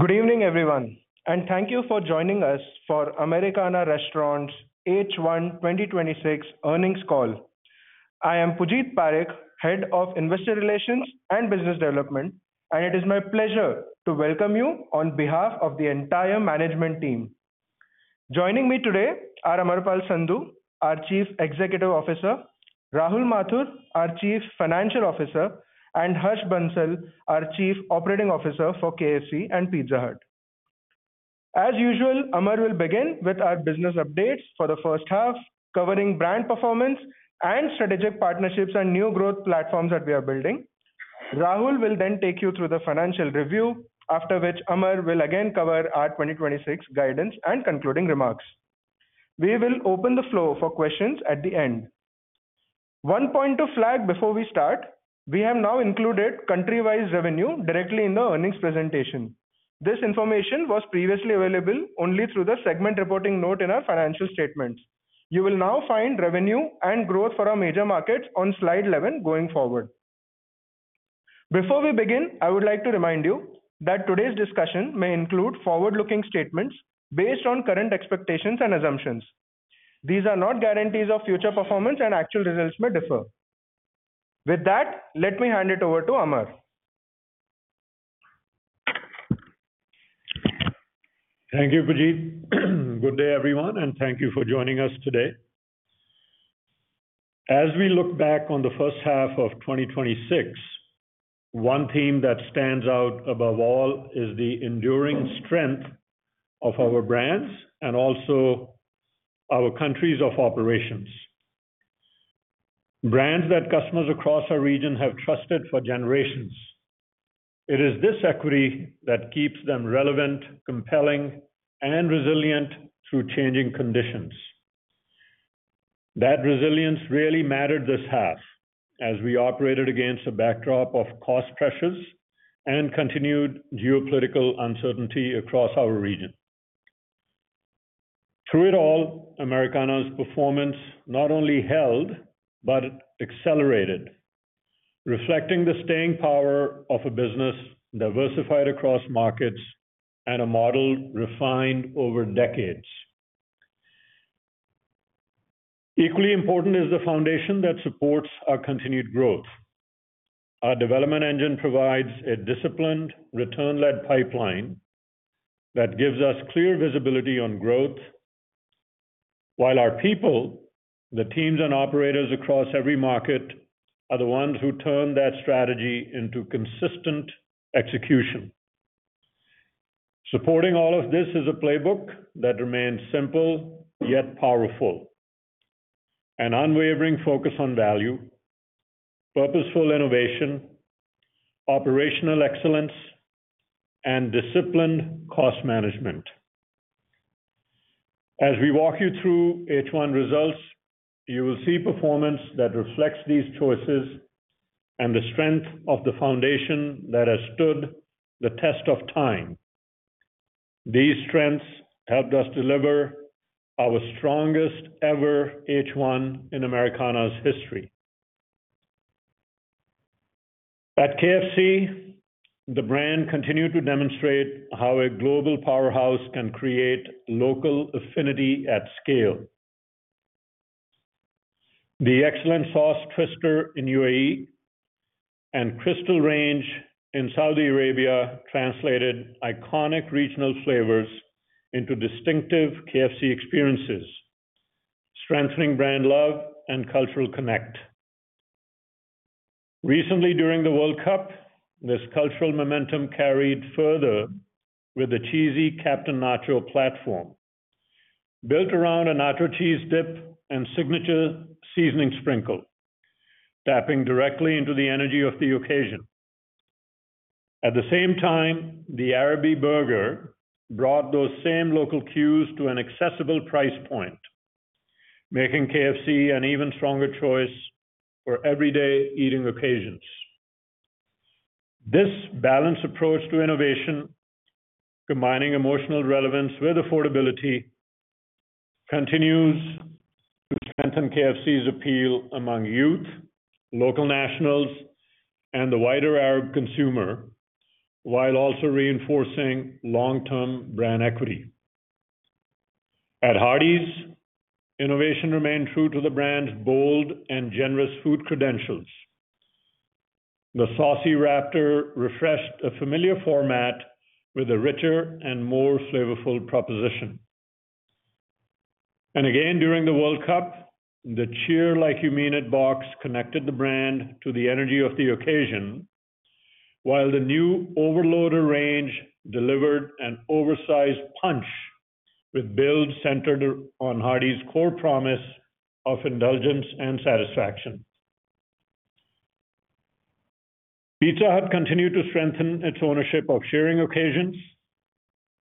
Good evening, everyone. Thank you for joining us for Americana Restaurants' H1 2026 earnings call. I am Pujeet Parekh, Head of Investor Relations and Business Development, and it is my pleasure to welcome you on behalf of the entire management team. Joining me today are Amar Pal Sandhu, our Chief Executive Officer, Rahul Mathur, our Chief Financial Officer, and Harsh Bansal, our Chief Operating Officer for KFC and Pizza Hut. As usual, Amar will begin with our business updates for the first half, covering brand performance and strategic partnerships and new growth platforms that we are building. Rahul will take you through the financial review, after which Amar will again cover our 2026 guidance and concluding remarks. We will open the floor for questions at the end. One point to flag before we start, we have now included country-wise revenue directly in the earnings presentation. This information was previously available only through the segment reporting note in our financial statements. You will now find revenue and growth for our major markets on slide 11 going forward. Before we begin, I would like to remind you that today's discussion may include forward-looking statements based on current expectations and assumptions. These are not guarantees of future performance and actual results may differ. With that, let me hand it over to Amar. Thank you, Pujeet. Good day, everyone. Thank you for joining us today. As we look back on the first half of 2026, one theme that stands out above all is the enduring strength of our brands and also our countries of operations. Brands that customers across our region have trusted for generations. It is this equity that keeps them relevant, compelling, and resilient through changing conditions. That resilience really mattered this half as we operated against a backdrop of cost pressures and continued geopolitical uncertainty across our region. Through it all, Americana's performance not only held but accelerated, reflecting the staying power of a business diversified across markets and a model refined over decades. Equally important is the foundation that supports our continued growth. Our development engine provides a disciplined return-led pipeline that gives us clear visibility on growth, while our people, the teams and operators across every market, are the ones who turn that strategy into consistent execution. Supporting all of this is a playbook that remains simple yet powerful: an unwavering focus on value, purposeful innovation, operational excellence, and disciplined cost management. As we walk you through H1 results, you will see performance that reflects these choices and the strength of the foundation that has stood the test of time. These strengths helped us deliver our strongest ever H1 in Americana's history. At KFC, the brand continued to demonstrate how a global powerhouse can create local affinity at scale. The Excellence Sauce Twister in UAE and Crystal Range in Saudi Arabia translated iconic regional flavors into distinctive KFC experiences, strengthening brand love and cultural connect. Recently, during the World Cup, this cultural momentum carried further with the Cheesy Captain Nacho platform. Built around a nacho cheese dip and signature seasoning sprinkle, tapping directly into the energy of the occasion. At the same time, the Araby burger brought those same local cues to an accessible price point, making KFC an even stronger choice for everyday eating occasions. This balanced approach to innovation, combining emotional relevance with affordability, continues to strengthen KFC's appeal among youth, local nationals, and the wider Arab consumer, while also reinforcing long-term brand equity. At Hardee's, innovation remained true to the brand's bold and generous food credentials. The Saucy Raptor refreshed a familiar format with a richer and more flavorful proposition. Again, during the World Cup, the Cheer Like You Mean It box connected the brand to the energy of the occasion, while the new Overloader range delivered an oversized punch with builds centered on Hardee's core promise of indulgence and satisfaction. Pizza Hut continued to strengthen its ownership of sharing occasions.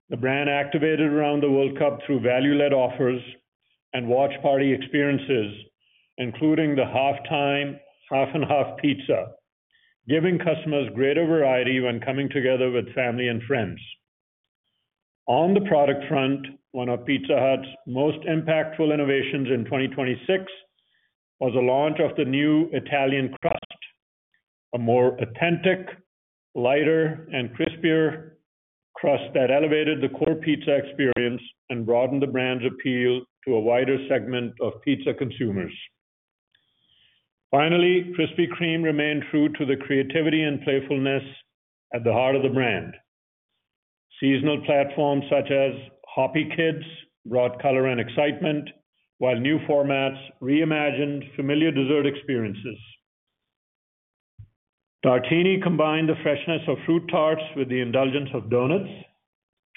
The brand activated around the World Cup through value-led offers and watch party experiences, including the Halftime Half/Half Pizza, giving customers greater variety when coming together with family and friends. On the product front, one of Pizza Hut's most impactful innovations in 2026 was the launch of the new Italian crust, a more authentic, lighter, and crispier crust that elevated the core pizza experience and broadened the brand's appeal to a wider segment of pizza consumers. Finally, Krispy Kreme remained true to the creativity and playfulness at the heart of the brand. Seasonal platforms such as Hoppy Kids brought color and excitement, while new formats reimagined familiar dessert experiences. Tartini combined the freshness of fruit tarts with the indulgence of donuts.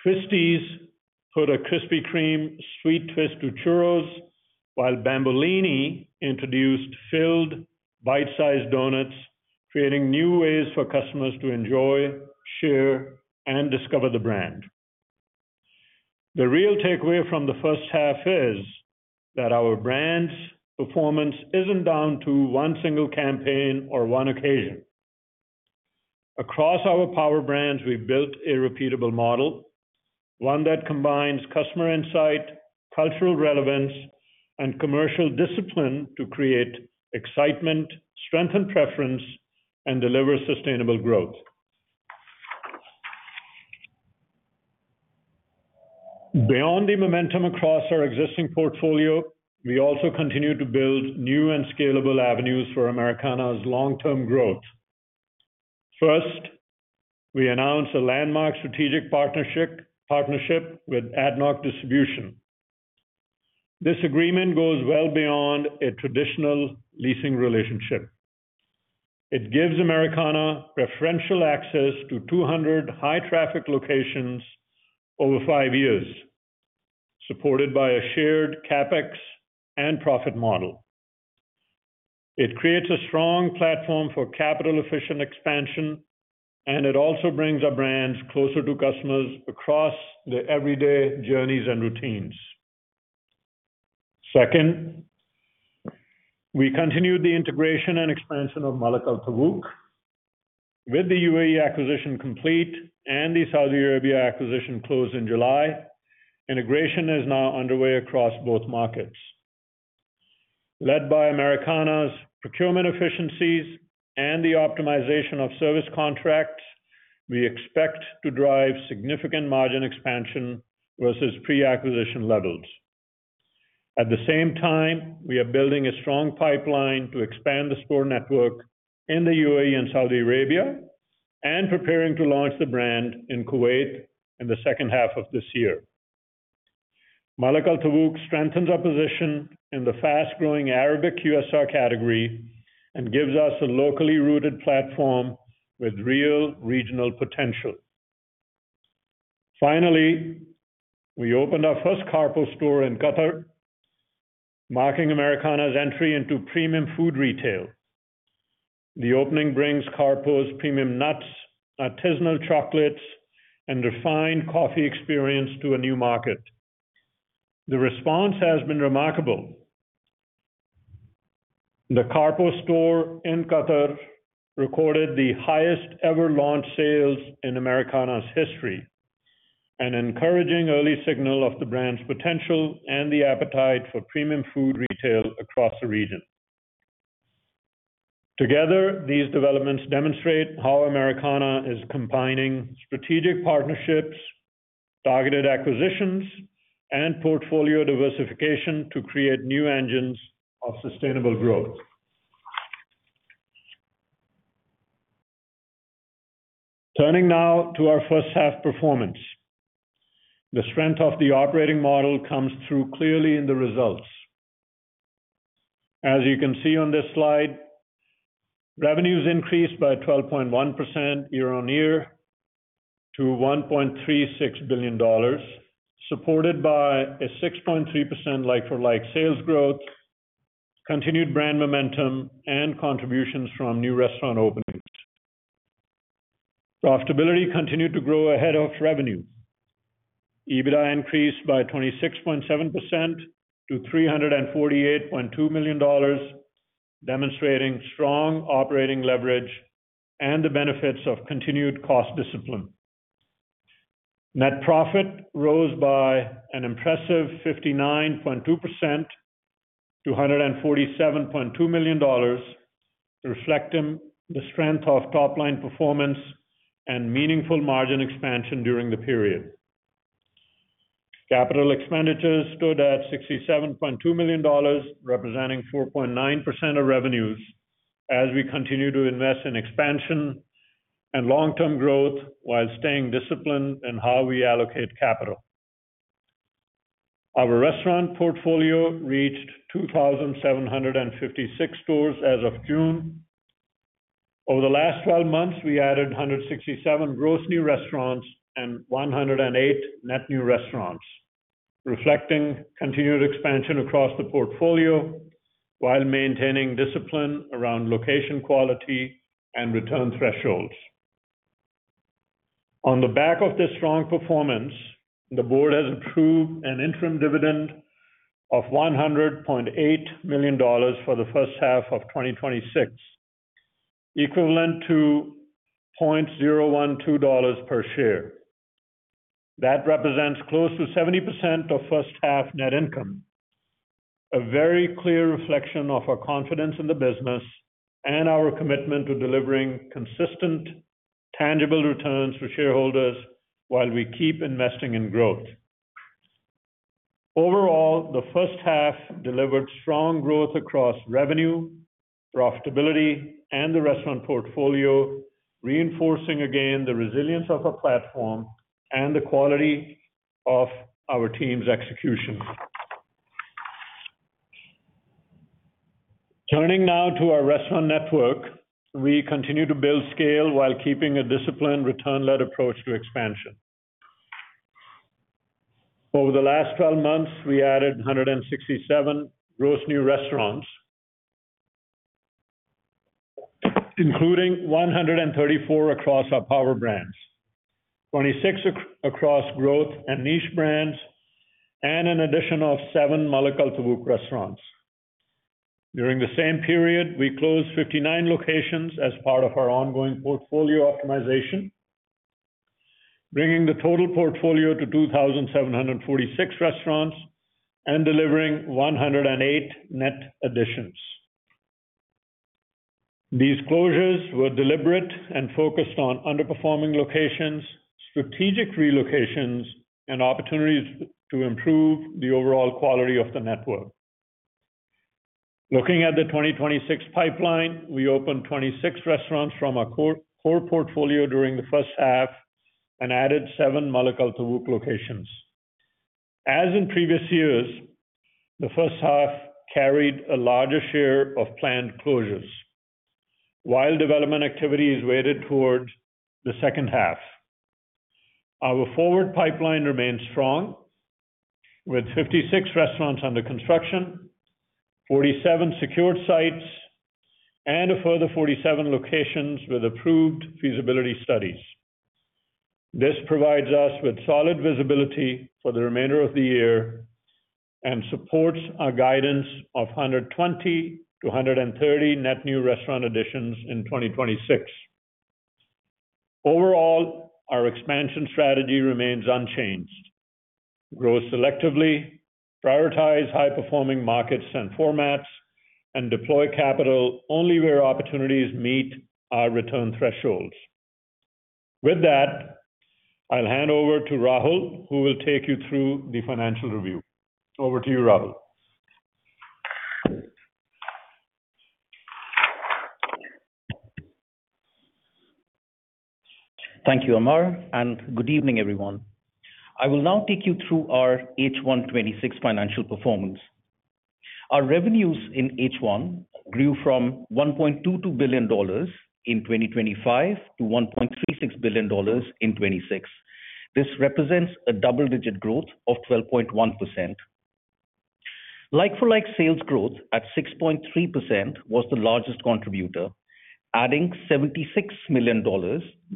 Twisties put a Krispy Kreme sweet twist to churros, while Bomboloni introduced filled bite-sized donuts, creating new ways for customers to enjoy, share, and discover the brand. The real takeaway from the first half is that our brand's performance isn't down to one single campaign or one occasion. Across our power brands, we've built a repeatable model, one that combines customer insight, cultural relevance, and commercial discipline to create excitement, strength, and preference, and deliver sustainable growth. Beyond the momentum across our existing portfolio, we also continue to build new and scalable avenues for Americana's long-term growth. First, we announced a landmark strategic partnership with ADNOC Distribution. This agreement goes well beyond a traditional leasing relationship. It gives Americana preferential access to 200 high-traffic locations over five years, supported by a shared CapEx and profit model. It creates a strong platform for capital efficience expansion and it also brings our brands closer to customers across their everyday journeys and routines. Second, we continued the integration and expansion of Malak Al Tawouk. With the UAE acquisition complete and the Saudi Arabia acquisition closed in July, integration is now underway across both markets. Led by Americana's procurement efficiencies and the optimization of service contracts, we expect to drive significant margin expansion versus pre-acquisition levels. At the same time, we are building a strong pipeline to expand the store network in the UAE and Saudi Arabia and preparing to launch the brand in Kuwait in the second half of this year. Malak Al Tawouk strengthens our position in the fast-growing Arabic QSR category and gives us a locally rooted platform with real regional potential. Finally, we opened our first carpo store in Qatar, marking Americana's entry into premium food retail. The opening brings carpo's premium nuts, artisanal chocolates, and refined coffee experience to a new market. The response has been remarkable. The carpo store in Qatar recorded the highest ever launch sales in Americana's history, an encouraging early signal of the brand's potential and the appetite for premium food retail across the region. Together, these developments demonstrate how Americana is combining strategic partnerships, targeted acquisitions, and portfolio diversification to create new engines of sustainable growth. Turning now to our first half performance. The strength of the operating model comes through clearly in the results. As you can see on this slide, revenues increased by 12.1% year-on-year to $1.36 billion, supported by a 6.3% like-for-like sales growth, continued brand momentum, and contributions from new restaurant openings. Profitability continued to grow ahead of revenue. EBITDA increased by 26.7% to $348.2 million, demonstrating strong operating leverage and the benefits of continued cost discipline. Net profit rose by an impressive 59.2% to $147.2 million, reflecting the strength of top-line performance and meaningful margin expansion during the period. Capital expenditures stood at $67.2 million, representing 4.9% of revenues, as we continue to invest in expansion and long-term growth while staying disciplined in how we allocate capital. Our restaurant portfolio reached 2,756 stores as of June. Over the last 12 months, we added 167 gross new restaurants and 108 net new restaurants, reflecting continued expansion across the portfolio while maintaining discipline around location quality and return thresholds. On the back of this strong performance, the board has approved an interim dividend of $100.8 million for the first half of 2026, equivalent to $0.012 per share. That represents close to 70% of first-half net income. A very clear reflection of our confidence in the business and our commitment to delivering consistent, tangible returns for shareholders while we keep investing in growth. Overall, the first half delivered strong growth across revenue, profitability, and the restaurant portfolio, reinforcing again the resilience of our platform and the quality of our team's execution. Turning now to our restaurant network. We continue to build scale while keeping a disciplined return-led approach to expansion. Over the last 12 months, we added 167 gross new restaurants, including 134 across our power brands, 26 across growth and niche brands, and an additional seven Malak Al Tawouk restaurants. During the same period, we closed 59 locations as part of our ongoing portfolio optimization, bringing the total portfolio to 2,746 restaurants and delivering 108 net additions. These closures were deliberate and focused on underperforming locations, strategic relocations, and opportunities to improve the overall quality of the network. Looking at the 2026 pipeline, we opened 26 restaurants from our core portfolio during the first half and added seven Malak Al Tawouk locations. As in previous years, the first half carried a larger share of planned closures, while development activity is weighted towards the second half. Our forward pipeline remains strong, with 56 restaurants under construction, 47 secured sites, and a further 47 locations with approved feasibility studies. This provides us with solid visibility for the remainder of the year and supports our guidance of 120-130 net new restaurant additions in 2026. Overall, our expansion strategy remains unchanged. Grow selectively, prioritize high-performing markets and formats, and deploy capital only where opportunities meet our return thresholds. With that, I will hand over to Rahul, who will take you through the financial review. Over to you, Rahul. Thank you, Amar, and good evening, everyone. I will now take you through our H1 2026 financial performance. Our revenues in H1 grew from $1.22 billion in 2025 to $1.36 billion in 2026. This represents a double-digit growth of 12.1%. Like-for-like sales growth at 6.3% was the largest contributor, adding $76 million,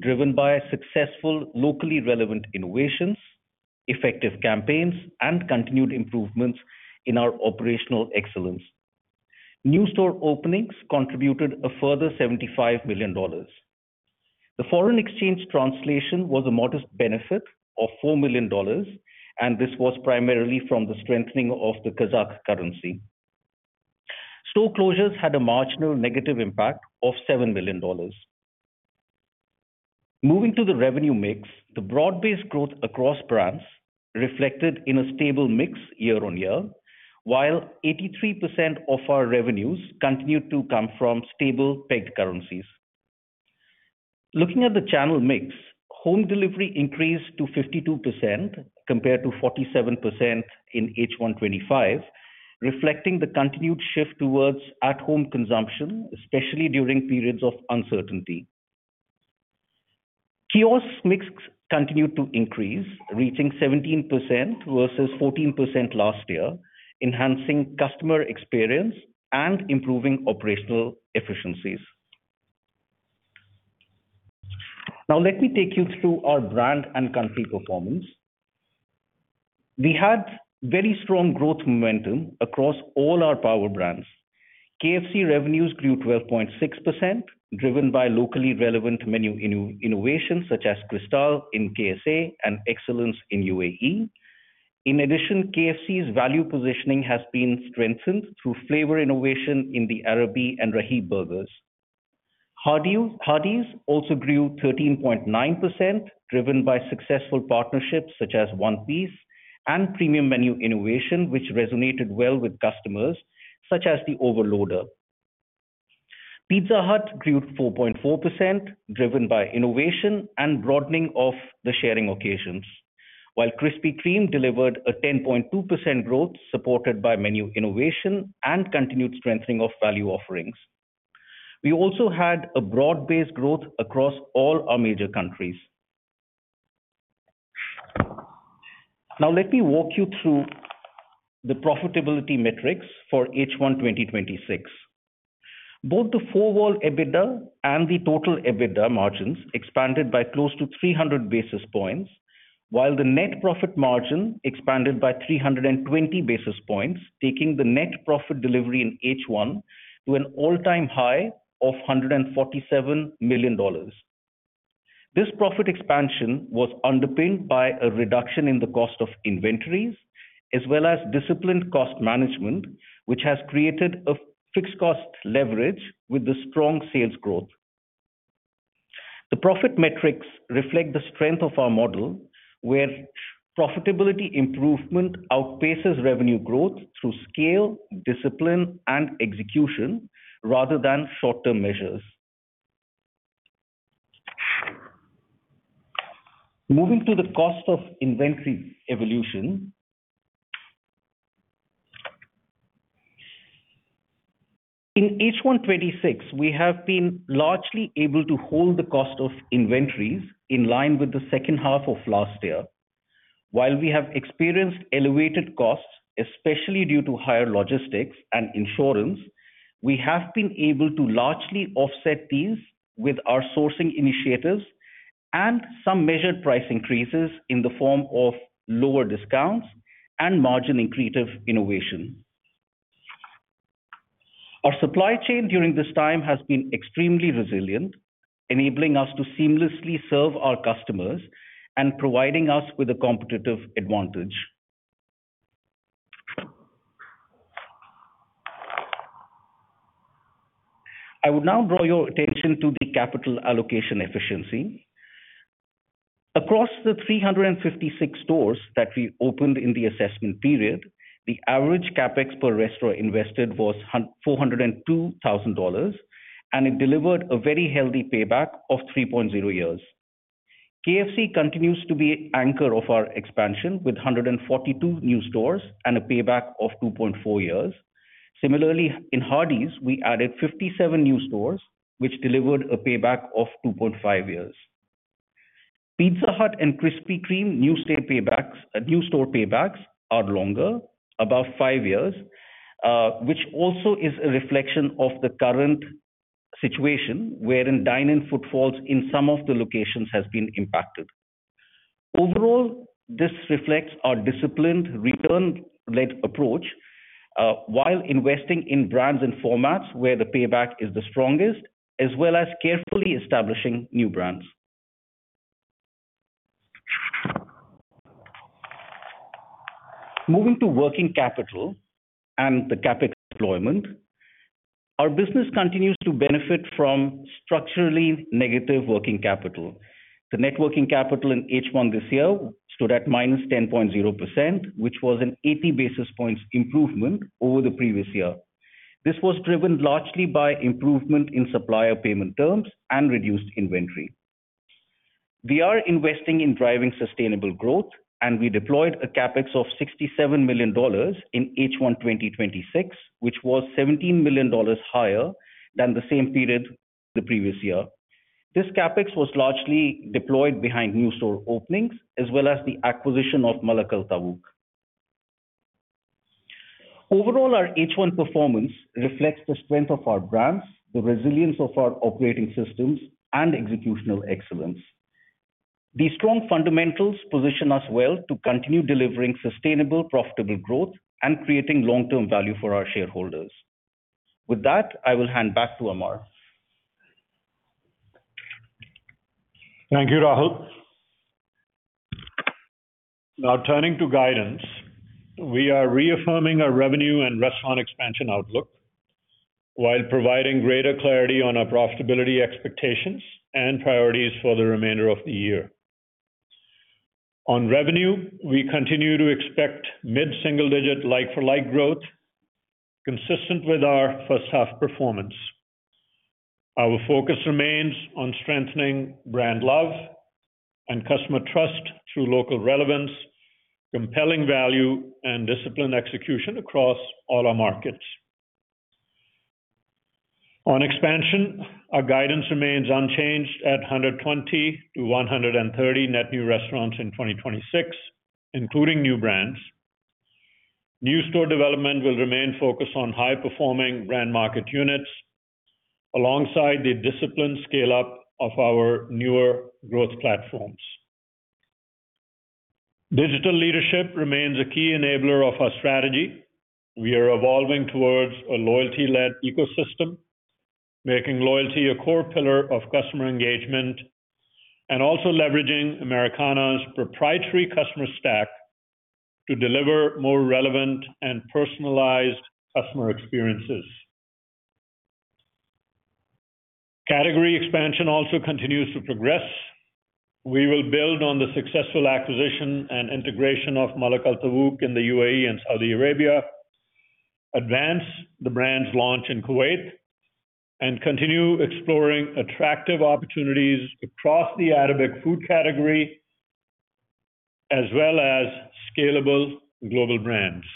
driven by successful locally relevant innovations, effective campaigns, and continued improvements in our operational excellence. New store openings contributed a further $75 million. The foreign exchange translation was a modest benefit of $4 million, and this was primarily from the strengthening of the Kazakh currency. Store closures had a marginal negative impact of $7 million. Moving to the revenue mix, the broad-based growth across brands reflected in a stable mix year-on-year, while 83% of our revenues continued to come from stable pegged currencies. Looking at the channel mix, home delivery increased to 52% compared to 47% in H1 2025, reflecting the continued shift towards at-home consumption, especially during periods of uncertainty. Kiosk mix continued to increase, reaching 17% versus 14% last year, enhancing customer experience and improving operational efficiencies. Now let me take you through our brand and country performance. We had very strong growth momentum across all our power brands. KFC revenues grew 12.6%, driven by locally relevant menu innovations such as Crystal in KSA and Excellence in UAE. In addition, KFC's value positioning has been strengthened through flavor innovation in the Araby and Rahhi burgers. Hardee's also grew 13.9%, driven by successful partnerships such as One Piece and premium menu innovation, which resonated well with customers, such as the Overloader. Pizza Hut grew 4.4%, driven by innovation and broadening of the sharing occasions. While Krispy Kreme delivered a 10.2% growth supported by menu innovation and continued strengthening of value offerings. We also had a broad-based growth across all our major countries. Now let me walk you through the profitability metrics for H1 2026. Both the four-wall EBITDA and the total EBITDA margins expanded by close to 300 basis points, while the net profit margin expanded by 320 basis points, taking the net profit delivery in H1 to an all-time high of $147 million. This profit expansion was underpinned by a reduction in the cost of inventories as well as disciplined cost management, which has created a fixed cost leverage with the strong sales growth. The profit metrics reflect the strength of our model, where profitability improvement outpaces revenue growth through scale, discipline, and execution, rather than short-term measures. Moving to the cost of inventory evolution. In H1 2026, we have been largely able to hold the cost of inventories in line with the second half of last year. While we have experienced elevated costs, especially due to higher logistics and insurance, we have been able to largely offset these with our sourcing initiatives and some measured price increases in the form of lower discounts and margin-accretive innovation. Our supply chain during this time has been extremely resilient, enabling us to seamlessly serve our customers and providing us with a competitive advantage. I would now draw your attention to the capital allocation efficiency. Across the 356 stores that we opened in the assessment period, the average CapEx per restaurant invested was $402,000, and it delivered a very healthy payback of 3.0 years. KFC continues to be anchor of our expansion, with 142 new stores and a payback of 2.4 years. In Hardee's, we added 57 new stores, which delivered a payback of 2.5 years. Pizza Hut and Krispy Kreme new store paybacks are longer, above five years, which also is a reflection of the current situation wherein dine-in footfalls in some of the locations has been impacted. Overall, this reflects our disciplined return-led approach, while investing in brands and formats where the payback is the strongest, as well as carefully establishing new brands. Moving to working capital and the CapEx deployment. Our business continues to benefit from structurally negative working capital. The net working capital in H1 this year stood at -10.0%, which was an 80 basis points improvement over the previous year. This was driven largely by improvement in supplier payment terms and reduced inventory. We are investing in driving sustainable growth, we deployed a CapEx of $67 million in H1 2026, which was $17 million higher than the same period the previous year. This CapEx was largely deployed behind new store openings, as well as the acquisition of Malak Al Tawouk. Overall, our H1 performance reflects the strength of our brands, the resilience of our operating systems, and executional excellence. These strong fundamentals position us well to continue delivering sustainable, profitable growth and creating long-term value for our shareholders. With that, I will hand back to Amar. Thank you, Rahul. Now turning to guidance. We are reaffirming our revenue and restaurant expansion outlook while providing greater clarity on our profitability expectations and priorities for the remainder of the year. On revenue, we continue to expect mid-single-digit like-for-like growth consistent with our first half performance. Our focus remains on strengthening brand love and customer trust through local relevance, compelling value, and disciplined execution across all our markets. On expansion, our guidance remains unchanged at 120 to 130 net new restaurants in 2026, including new brands. New store development will remain focused on high-performing brand market units, alongside the disciplined scale-up of our newer growth platforms. Digital leadership remains a key enabler of our strategy. We are evolving towards a loyalty-led ecosystem, making loyalty a core pillar of customer engagement, also leveraging Americana's proprietary customer stack to deliver more relevant and personalized customer experiences. Category expansion also continues to progress. We will build on the successful acquisition and integration of Malak Al Tawouk in the UAE and Saudi Arabia, advance the brand's launch in Kuwait, and continue exploring attractive opportunities across the Arabic food category, as well as scalable global brands.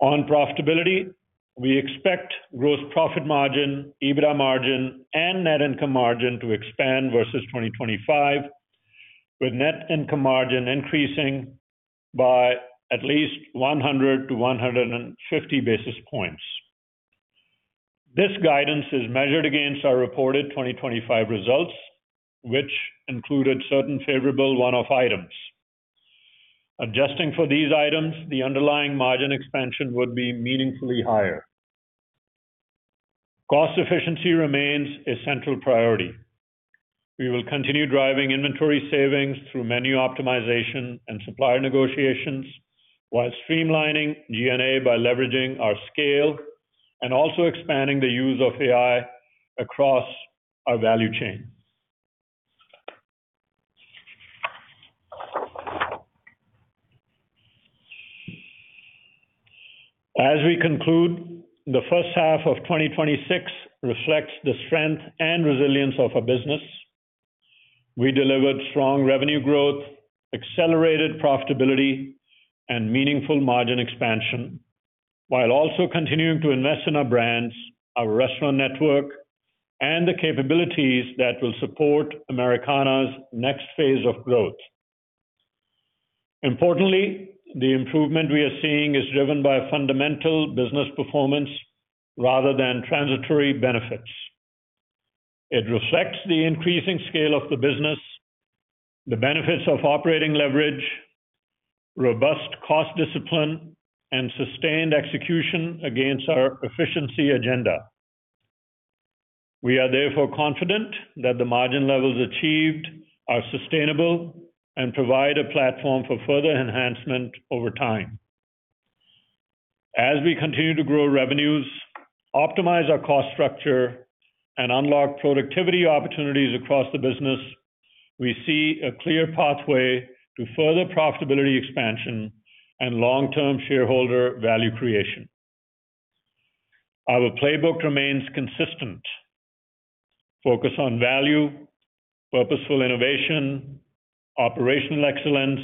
On profitability, we expect gross profit margin, EBITDA margin, and net income margin to expand versus 2025, with net income margin increasing by at least 100 to 150 basis points. This guidance is measured against our reported 2025 results, which included certain favorable one-off items. Adjusting for these items, the underlying margin expansion would be meaningfully higher. Cost efficiency remains a central priority. We will continue driving inventory savings through menu optimization and supplier negotiations, while streamlining G&A by leveraging our scale and also expanding the use of AI across our value chain. As we conclude, the first half of 2026 reflects the strength and resilience of our business. We delivered strong revenue growth, accelerated profitability, and meaningful margin expansion, while also continuing to invest in our brands, our restaurant network, and the capabilities that will support Americana's next phase of growth. Importantly, the improvement we are seeing is driven by fundamental business performance rather than transitory benefits. It reflects the increasing scale of the business, the benefits of operating leverage, robust cost discipline, and sustained execution against our efficiency agenda. We are therefore confident that the margin levels achieved are sustainable and provide a platform for further enhancement over time. As we continue to grow revenues, optimize our cost structure, and unlock productivity opportunities across the business, we see a clear pathway to further profitability expansion and long-term shareholder value creation. Our playbook remains consistent. Focus on value, purposeful innovation, operational excellence,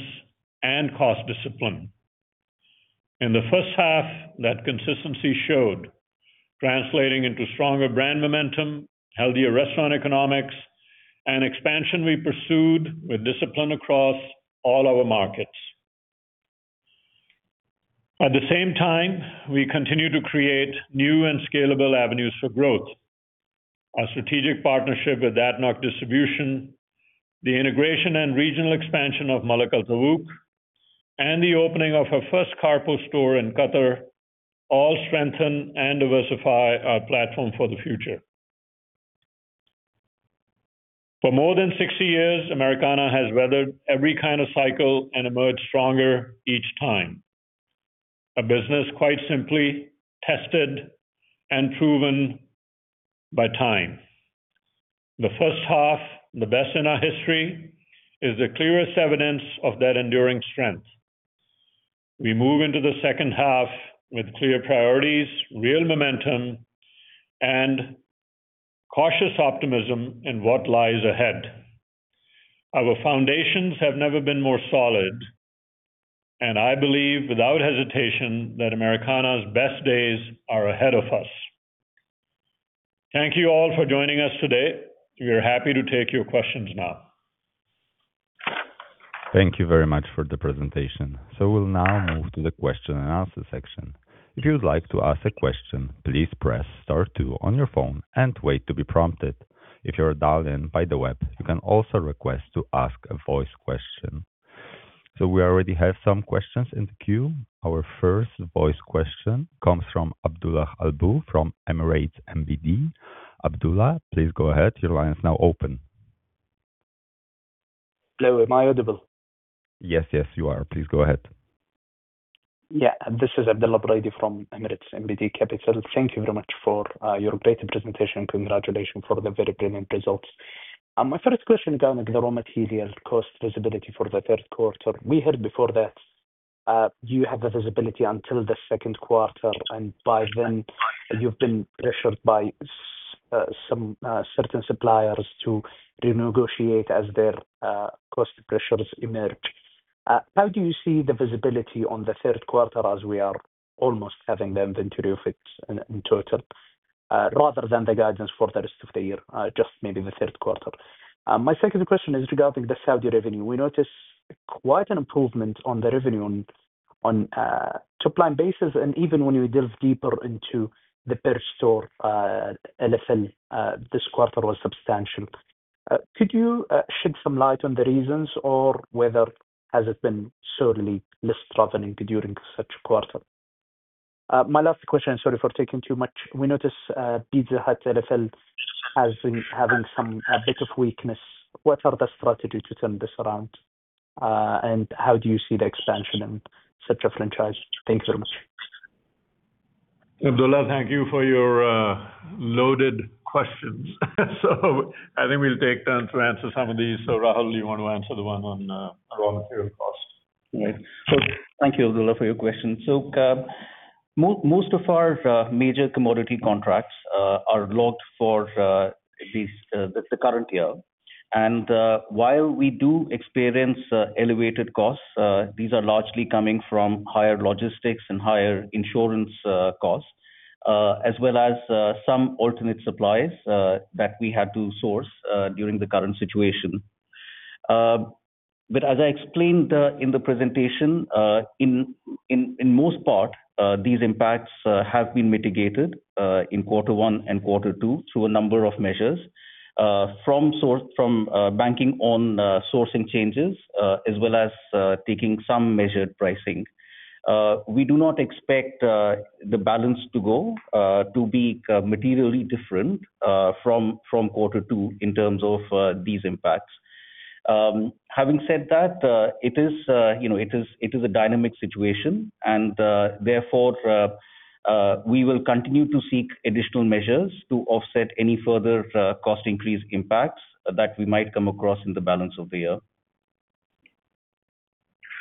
and cost discipline. In the first half, that consistency showed, translating into stronger brand momentum, healthier restaurant economics, and expansion we pursued with discipline across all our markets. At the same time, we continue to create new and scalable avenues for growth. Our strategic partnership with ADNOC Distribution, the integration and regional expansion of Malak Al Tawouk, and the opening of our first carpo store in Qatar all strengthen and diversify our platform for the future. For more than 60 years, Americana has weathered every kind of cycle and emerged stronger each time. A business, quite simply, tested and proven by time. The first half, the best in our history, is the clearest evidence of that enduring strength. We move into the second half with clear priorities, real momentum, and cautious optimism in what lies ahead. Our foundations have never been more solid. I believe, without hesitation, that Americana's best days are ahead of us. Thank you all for joining us today. We are happy to take your questions now. Thank you very much for the presentation. We'll now move to the question and answer section. If you would like to ask a question, please press star two on your phone and wait to be prompted. If you are dialed in by the web, you can also request to ask a voice question. We already have some questions in the queue. Our first voice question comes from Abdulla Al Badi from Emirates NBD. Abdulla, please go ahead. Your line is now open. Hello, am I audible? Yes, you are. Please go ahead. This is Abdulla Al Badi from Emirates NBD Capital. Thank you very much for your great presentation. Congratulations for the very brilliant results. My first question is on the raw material cost visibility for the third quarter. We heard before that you have the visibility until the second quarter, and by then you've been pressured by certain suppliers to renegotiate as their cost pressures emerge. How do you see the visibility on the third quarter as we are almost having the inventory effects in total, rather than the guidance for the rest of the year, just maybe the third quarter? My second question is regarding the Saudi revenue. We noticed quite an improvement on the revenue on a top-line basis, and even when we delve deeper into the per store LFL, this quarter was substantial. Could you shed some light on the reasons or whether has it been certainly less troubling during such quarter? My last question, sorry for taking too much. We noticed Pizza Hut LFL has been having a bit of weakness. What are the strategy to turn this around, and how do you see the expansion in such a franchise? Thank you very much. Abdulla, thank you for your loaded questions. I think we'll take turns to answer some of these. Rahul, you want to answer the one on raw material cost? Right. Thank you, Abdulla, for your question. Most of our major commodity contracts are locked for at least the current year. While we do experience elevated costs, these are largely coming from higher logistics and higher insurance costs, as well as some alternate supplies that we had to source during the current situation. As I explained in the presentation, in most part, these impacts have been mitigated in quarter one and quarter two through a number of measures from banking on sourcing changes as well as taking some measured pricing. We do not expect the balance to go to be materially different from quarter two in terms of these impacts. Having said that, it is a dynamic situation and therefore we will continue to seek additional measures to offset any further cost increase impacts that we might come across in the balance of the year.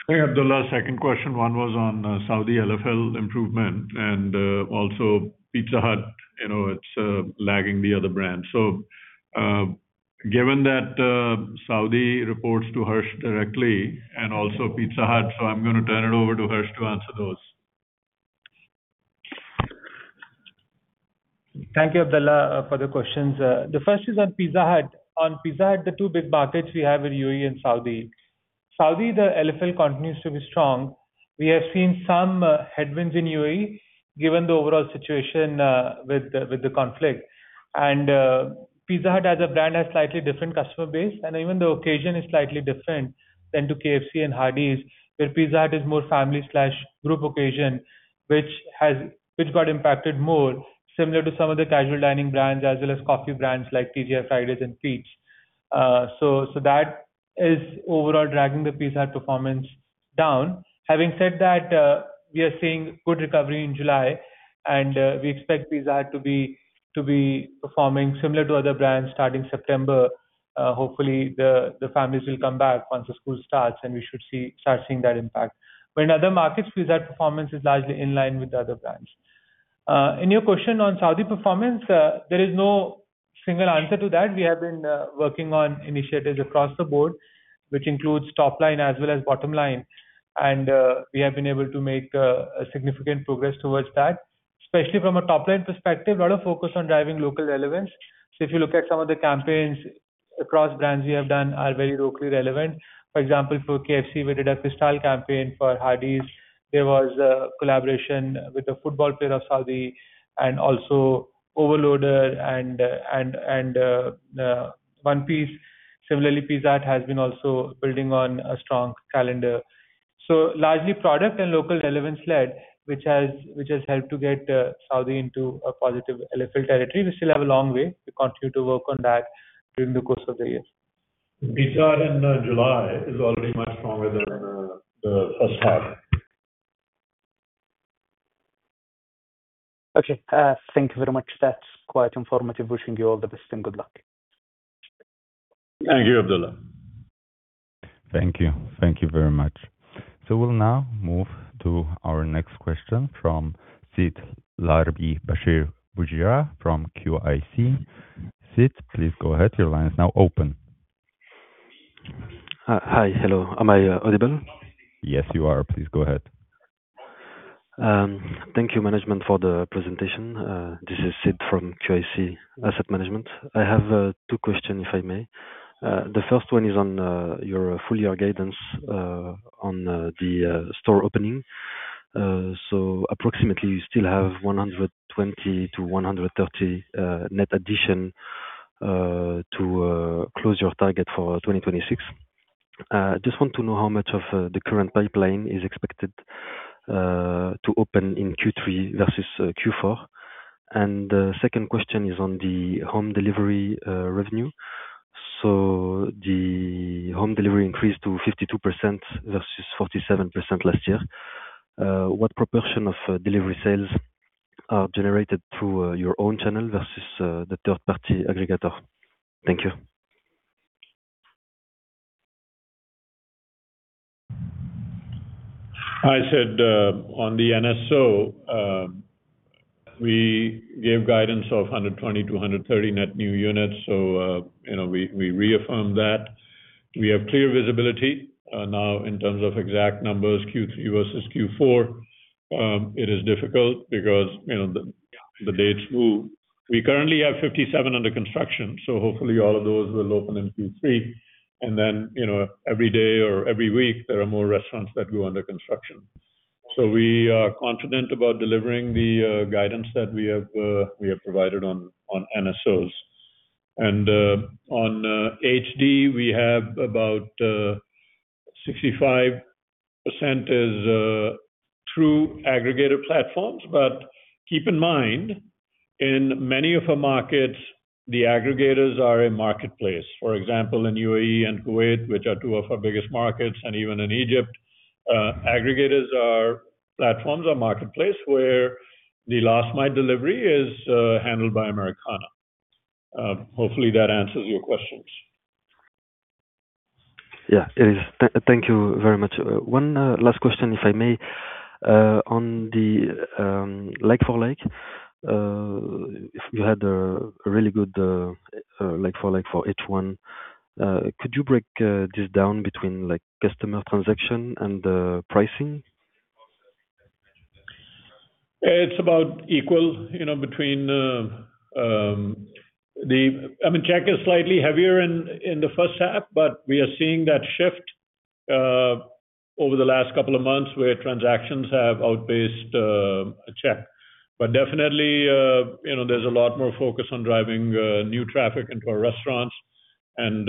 Hey, Abdulla. Second question, one was on Saudi LFL improvement and also Pizza Hut. It's lagging the other brands. Given that Saudi reports to Harsh directly and also Pizza Hut, I'm going to turn it over to Harsh to answer those. Thank you, Abdulla, for the questions. The first is on Pizza Hut. On Pizza Hut, the two big markets we have are UAE and Saudi. Saudi, the LFL continues to be strong. We have seen some headwinds in UAE given the overall situation with the conflict. Pizza Hut as a brand has slightly different customer base and even the occasion is slightly different than to KFC and Hardee's, where Pizza Hut is more family/group occasion which got impacted more, similar to some of the casual dining brands as well as coffee brands like TGI Fridays and Peet's. That is overall dragging the Pizza Hut performance down. Having said that, we are seeing good recovery in July and we expect Pizza Hut to be performing similar to other brands starting September. Hopefully the families will come back once the school starts and we should start seeing that impact. In other markets, Pizza Hut performance is largely in line with the other brands. In your question on Saudi performance, there is no single answer to that. We have been working on initiatives across the board which includes top line as well as bottom line and we have been able to make a significant progress towards that especially from a top line perspective, a lot of focus on driving local relevance. If you look at some of the campaigns across brands we have done are very locally relevant. For example, for KFC we did a Crystal campaign for Hardee's there was a collaboration with the football player of Saudi and also Overloader and One Piece. Similarly, Pizza Hut has been also building on a strong calendar. Largely product and local relevance led which has helped to get Saudi into a positive LFL territory. We still have a long way. We continue to work on that during the course of the year. Pizza Hut in July is already much stronger than the first half. Okay. Thank you very much. That's quite informative. Wishing you all the best and good luck. Thank you, Abdulla. Thank you. Thank you very much. We'll now move to our next question from Sid Larbi Bachir Bouziane from QIC. Sid, please go ahead. Your line is now open. Hi. Hello. Am I audible? Yes, you are. Please go ahead. Thank you management for the presentation. This is Sid from QIC Asset Management. I have two questions, if I may. The first one is on your full year guidance on the store opening. Approximately you still have 120-130 net addition to close your target for 2026. I just want to know how much of the current pipeline is expected to open in Q3 versus Q4. The second question is on the home delivery revenue. The home delivery increased to 52% versus 47% last year. What proportion of delivery sales are generated through your own channel versus the third party aggregator? Thank you. Hi, Sid. On the NSO, we gave guidance of 120-130 net new units. We reaffirm that. We have clear visibility now in terms of exact numbers Q3 versus Q4. It is difficult because the dates move. We currently have 57 under construction, hopefully all of those will open in Q3. Every day or every week there are more restaurants that go under construction. We are confident about delivering the guidance that we have provided on NSOs. On HD we have about 65% is through aggregator platforms. Keep in mind, in many of our markets the aggregators are a marketplace. For example in UAE and Kuwait which are two of our biggest markets and even in Egypt aggregators are platforms or marketplace where the last mile delivery is handled by Americana. Hopefully that answers your questions. Yeah, it is. Thank you very much. One last question if I may. On the like for like, if you had a really good like for like for H1, could you break this down between customer transaction and pricing? It's about equal between the check is slightly heavier in the first half, we are seeing that shift over the last couple of months where transactions have outpaced check. Definitely, there's a lot more focus on driving new traffic into our restaurants, and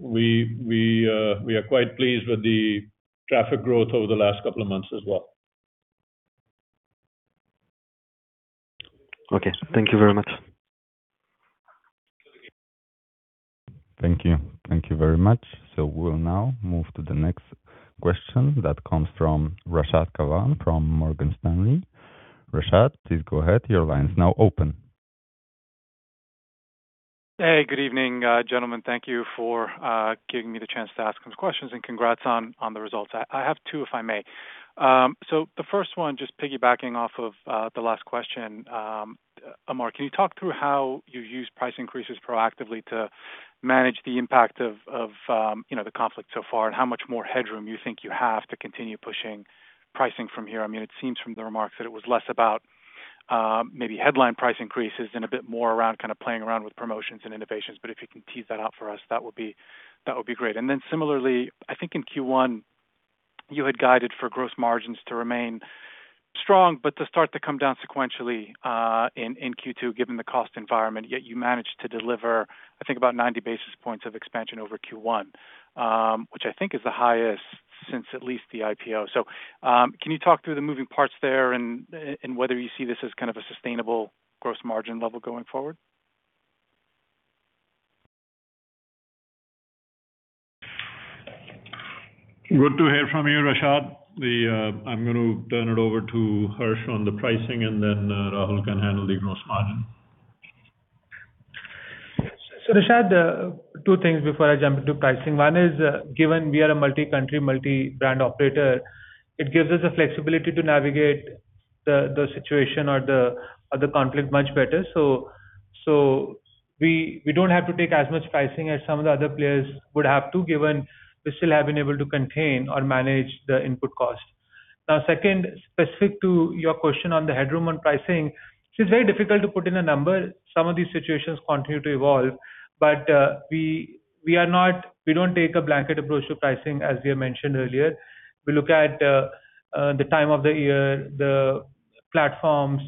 we are quite pleased with the traffic growth over the last couple of months as well. Okay. Thank you very much. Thank you. Thank you very much. We'll now move to the next question that comes from Rashad Kawan from Morgan Stanley. Rashad, please go ahead. Your line is now open. Hey, good evening, gentlemen. Thank you for giving me the chance to ask these questions, and congrats on the results. I have two, if I may. The first one, just piggybacking off of the last question, Amar, can you talk through how you've used price increases proactively to manage the impact of the conflict so far and how much more headroom you think you have to continue pushing pricing from here? It seems from the remarks that it was less about maybe headline price increases and a bit more around kind of playing around with promotions and innovations. If you can tease that out for us, that would be great. Similarly, I think in Q1 you had guided for gross margins to remain strong but to start to come down sequentially, in Q2, given the cost environment, yet you managed to deliver, I think about 90 basis points of expansion over Q1, which I think is the highest since at least the IPO. Can you talk through the moving parts there and whether you see this as kind of a sustainable gross margin level going forward? Good to hear from you, Rashad. I'm going to turn it over to Harsh on the pricing, and then Rahul can handle the gross margin. Rashad, two things before I jump into pricing. One is, given we are a multi-country, multi-brand operator, it gives us the flexibility to navigate the situation or the conflict much better. We don't have to take as much pricing as some of the other players would have to, given we still have been able to contain or manage the input cost. Now, second, specific to your question on the headroom on pricing, it is very difficult to put in a number. Some of these situations continue to evolve, we don't take a blanket approach to pricing, as we have mentioned earlier. We look at the time of the year, the platforms,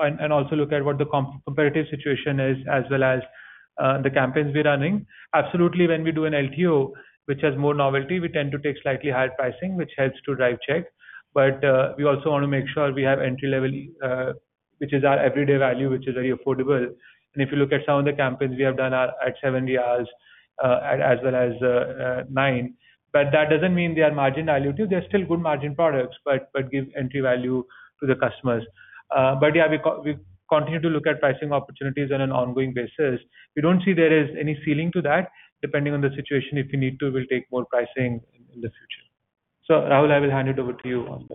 and also look at what the competitive situation is, as well as the campaigns we are running. Absolutely, when we do an LTO, which has more novelty, we tend to take slightly higher pricing, which helps to drive check. We also want to make sure we have entry-level, which is our everyday value, which is very affordable. If you look at some of the campaigns we have done at $70, as well as $9. That doesn't mean they are margin dilutive. They're still good margin products, but give entry value to the customers. Yeah, we continue to look at pricing opportunities on an ongoing basis. We don't see there is any ceiling to that. Depending on the situation, if we need to, we'll take more pricing in the future. Rahul, I will hand it over to you on the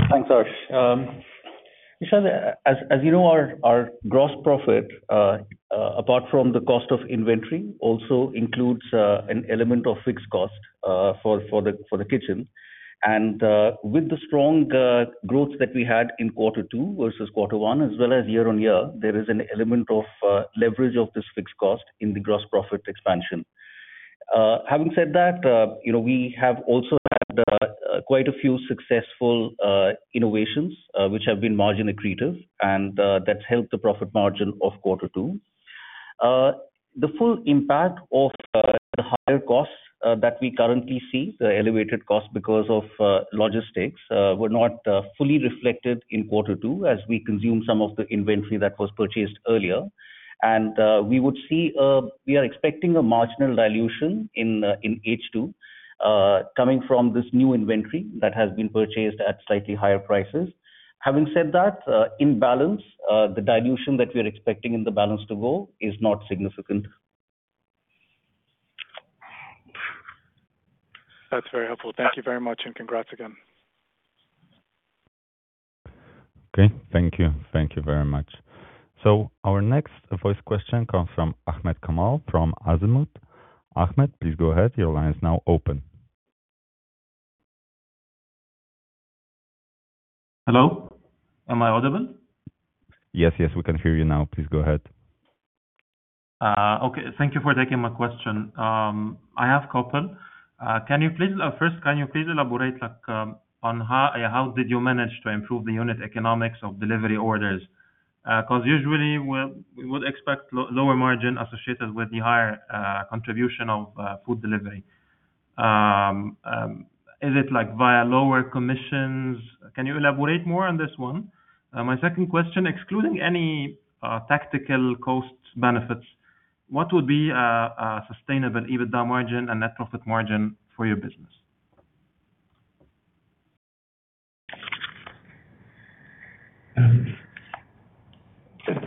margin. Thanks, Harsh. Rashad, as you know, our gross profit, apart from the cost of inventory, also includes an element of fixed cost for the kitchen. With the strong growth that we had in quarter two versus quarter one as well as year-over-year, there is an element of leverage of this fixed cost in the gross profit expansion. Having said that, we have also had quite a few successful innovations, which have been margin accretive, and that's helped the profit margin of quarter two. The full impact of the higher costs that we currently see, the elevated cost because of logistics, were not fully reflected in quarter two as we consumed some of the inventory that was purchased earlier. We are expecting a marginal dilution in H2, coming from this new inventory that has been purchased at slightly higher prices. Having said that, in balance, the dilution that we're expecting in the balance to go is not significant. That's very helpful. Thank you very much, and congrats again. Okay. Thank you. Thank you very much. Our next voice question comes from Ahmed Kamal from Azimut. Ahmed, please go ahead. Your line is now open. Hello? Am I audible? Yes, we can hear you now. Please go ahead. Okay. Thank you for taking my question. I have couple. First, can you please elaborate on how did you manage to improve the unit economics of delivery orders? Because usually, we would expect lower margin associated with the higher contribution of food delivery. Is it via lower commissions? Can you elaborate more on this one? My second question, excluding any tactical cost benefits, what would be a sustainable EBITDA margin and net profit margin for your business?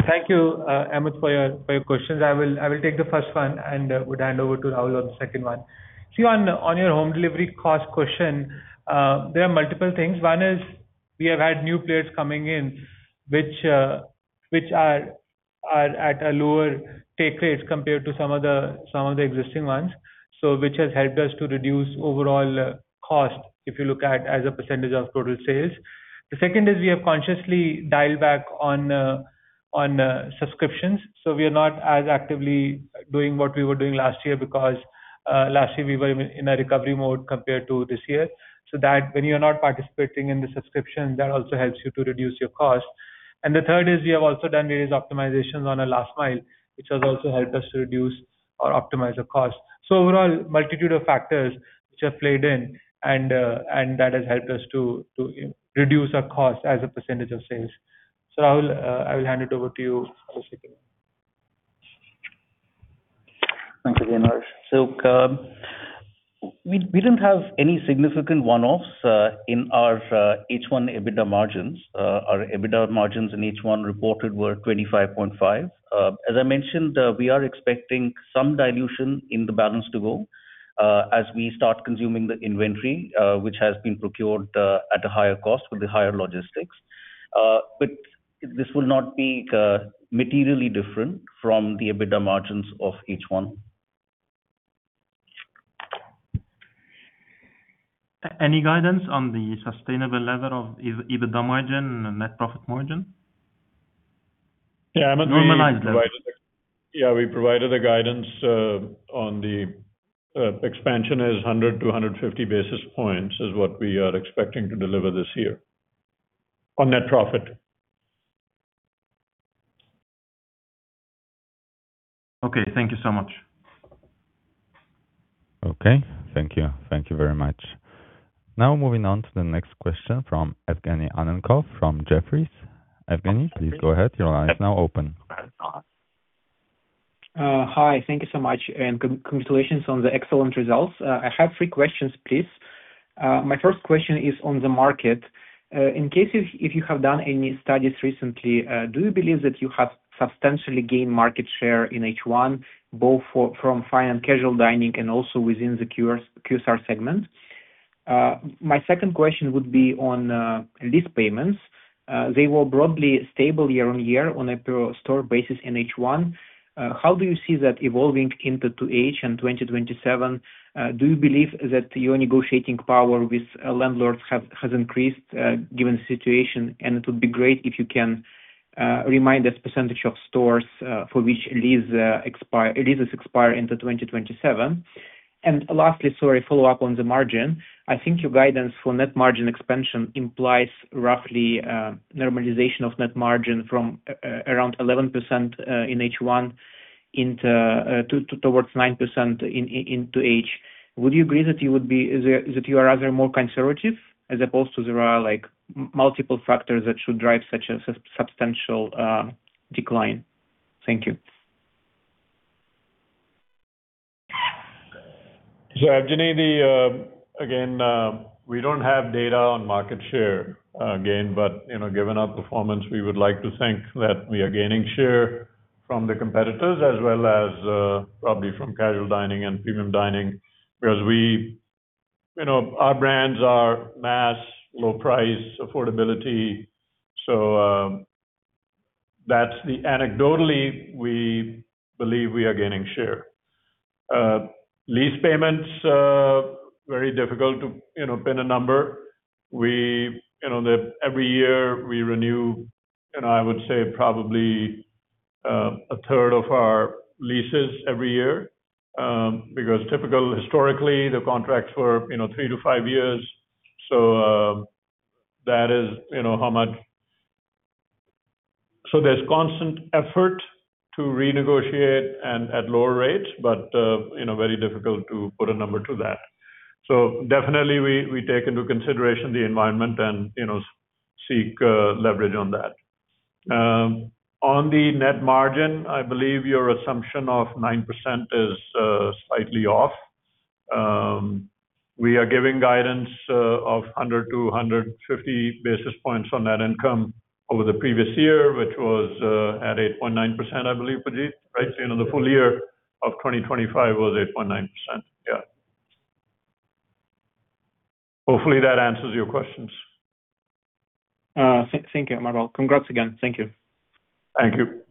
Thank you, Ahmed, for your questions. I will take the first one and would hand over to Rahul on the second one. On your home delivery cost question, there are multiple things. One is we have had new players coming in which are at a lower take rate compared to some of the existing ones. Which has helped us to reduce overall cost if you look at as a percentage of total sales. The second is we have consciously dialed back on subscriptions. We are not as actively doing what we were doing last year because we were in a recovery mode compared to this year, so that when you're not participating in the subscription, that also helps you to reduce your cost. The third is we have also done various optimizations on our last mile, which has also helped us to reduce or optimize our cost. Overall, multitude of factors which have played in, and that has helped us to reduce our cost as a percentage of sales. I will hand it over to you, Rahul. Thank you very much. We didn't have any significant one-offs in our H1 EBITDA margins. Our EBITDA margins in H1 reported were 25.5. As I mentioned, we are expecting some dilution in the balance to go as we start consuming the inventory which has been procured at a higher cost with the higher logistics. This will not be materially different from the EBITDA margins of H1. Any guidance on the sustainable level of EBITDA margin and net profit margin? Yeah, I mean- We might have- Yeah, we provided a guidance on the expansion is 100-150 basis points is what we are expecting to deliver this year on net profit. Okay. Thank you so much. Thank you. Thank you very much. Moving on to the next question from Evgenii Annenkov from Jefferies. Evgenii, please go ahead. Your line is now open. Hi. Thank you so much. Congratulations on the excellent results. I have three questions, please. My first question is on the market. In case if you have done any studies recently, do you believe that you have substantially gained market share in H1, both from fine and casual dining and also within the QSR segment? My second question would be on lease payments. They were broadly stable year-over-year on a per store basis in H1. How do you see that evolving into H and 2027? Do you believe that your negotiating power with landlords has increased given the situation? It would be great if you can remind us percentage of stores for which leases expire into 2027. Lastly, sorry, follow up on the margin. I think your guidance for net margin expansion implies roughly normalization of net margin from around 11% in H1 towards 9% into H. Would you agree that you are rather more conservative as opposed to there are multiple factors that should drive such a substantial decline? Thank you. Evgenii, again, we don't have data on market share again, but given our performance, we would like to think that we are gaining share from the competitors as well as probably from casual dining and premium dining because our brands are mass, low price, affordability. That's the anecdotally we believe we are gaining share. Lease payments are very difficult to pin a number. Every year we renew, I would say probably a third of our leases every year because typical historically the contract for three-five years. There's constant effort to renegotiate and at lower rates, but very difficult to put a number to that. Definitely we take into consideration the environment and seek leverage on that. On the net margin, I believe your assumption of 9% is slightly off. We are giving guidance of 100 to 150 basis points on net income over the previous year, which was at 8.9%, I believe, Pujeet, right? The full year of 2025 was 8.9%. Yeah. Hopefully, that answers your questions. Thank you, Amar. Congrats again. Thank you. Thank you.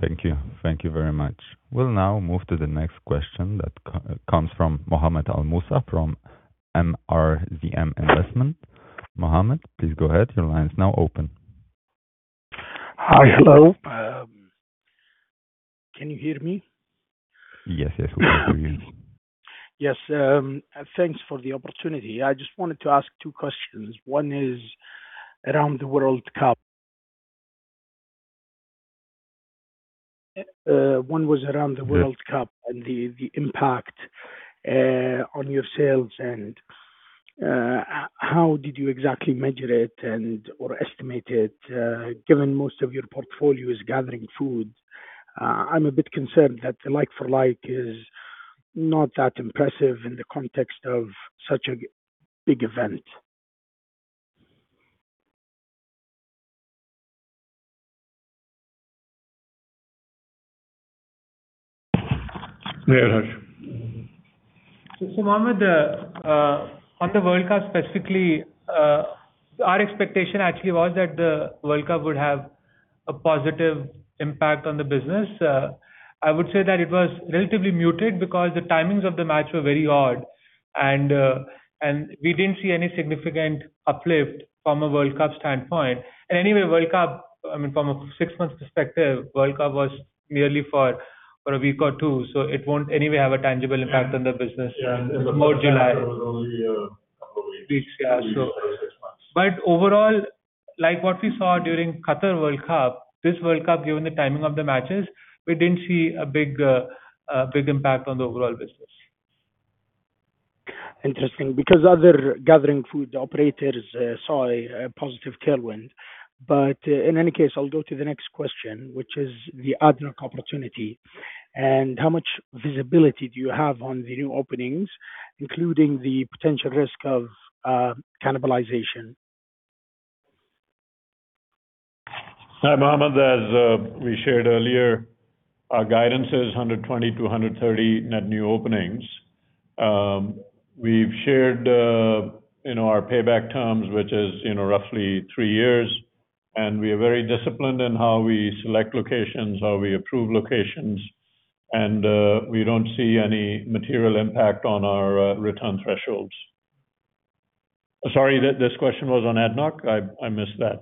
Thank you. Thank you very much. We'll now move to the next question that comes from Mohammed Al-Mousa from MRZM Investment. Mohammed, please go ahead. Your line is now open. Hi. Hello. Can you hear me? Yes. We can hear you. Yes. Thanks for the opportunity. I just wanted to ask two questions. One is around the World Cup. One was around the World Cup and the impact on your sales, and how did you exactly measure it and/or estimate it given most of your portfolio is gathering food? I'm a bit concerned that the like for like is not that impressive in the context of such a big event. Yeah, Harsh. Mohammed, on the World Cup specifically, our expectation actually was that the World Cup would have a positive impact on the business. I would say that it was relatively muted because the timings of the match were very odd and we didn't see any significant uplift from a World Cup standpoint. Anyway, World Cup, I mean, from a six months perspective, World Cup was merely for a week or 2, so it won't anyway have a tangible impact on the business more July. Yeah. It was only a couple of weeks. Yeah. Within six months. Overall, like what we saw during Qatar World Cup, this World Cup, given the timing of the matches, we didn't see a big impact on the overall business. Interesting. Other gathering food operators saw a positive tailwind. In any case, I'll go to the next question, which is the ADNOC opportunity and how much visibility do you have on the new openings, including the potential risk of cannibalization? Hi, Mohammed. As we shared earlier, our guidance is 120 to 130 net new openings. We've shared our payback terms, which is roughly three years. We are very disciplined in how we select locations, how we approve locations. We don't see any material impact on our return thresholds. Sorry, this question was on ADNOC? I missed that.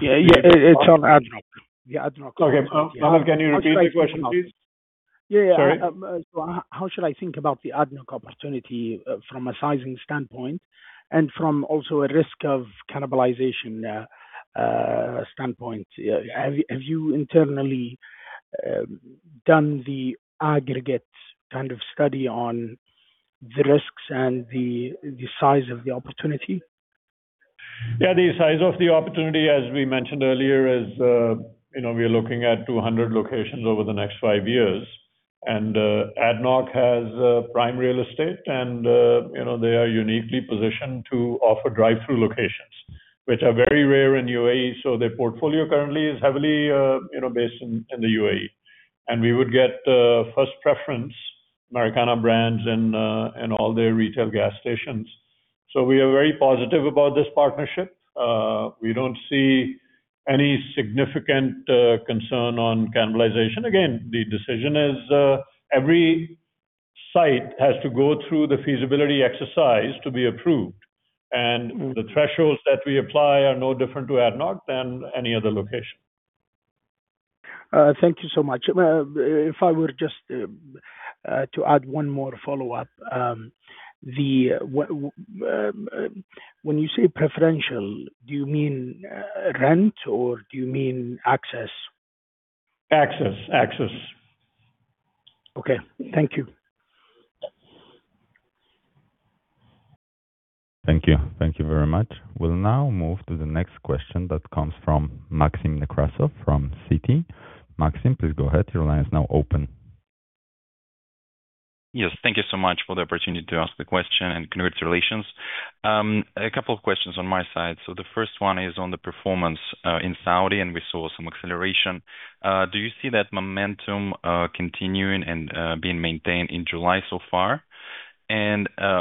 Yeah. It's on ADNOC. The ADNOC opportunity. Okay. Mohammed, can you repeat the question, please? Sorry. Yeah. How should I think about the ADNOC opportunity from a sizing standpoint and from also a risk of cannibalization standpoint? Have you internally done the aggregate kind of study on the risks and the size of the opportunity? Yeah. The size of the opportunity, as we mentioned earlier, is we are looking at 200 locations over the next five years. ADNOC has prime real estate and they are uniquely positioned to offer drive-through locations, which are very rare in UAE. Their portfolio currently is heavily based in the UAE. We would get first preference Americana brands in all their retail gas stations. We are very positive about this partnership. We don't see any significant concern on cannibalization. Again, the decision is, every site has to go through the feasibility exercise to be approved, and the thresholds that we apply are no different to ADNOC than any other location. Thank you so much. If I were just to add one more follow-up. When you say preferential, do you mean rent or do you mean access? Access. Okay. Thank you. Thank you. Thank you very much. We'll now move to the next question that comes from Maxim Nekrasov from Citi. Maxim, please go ahead. Your line is now open. Yes. Thank you so much for the opportunity to ask the question and congratulations. A couple of questions on my side. The first one is on the performance in Saudi, and we saw some acceleration. Do you see that momentum continuing and being maintained in July so far?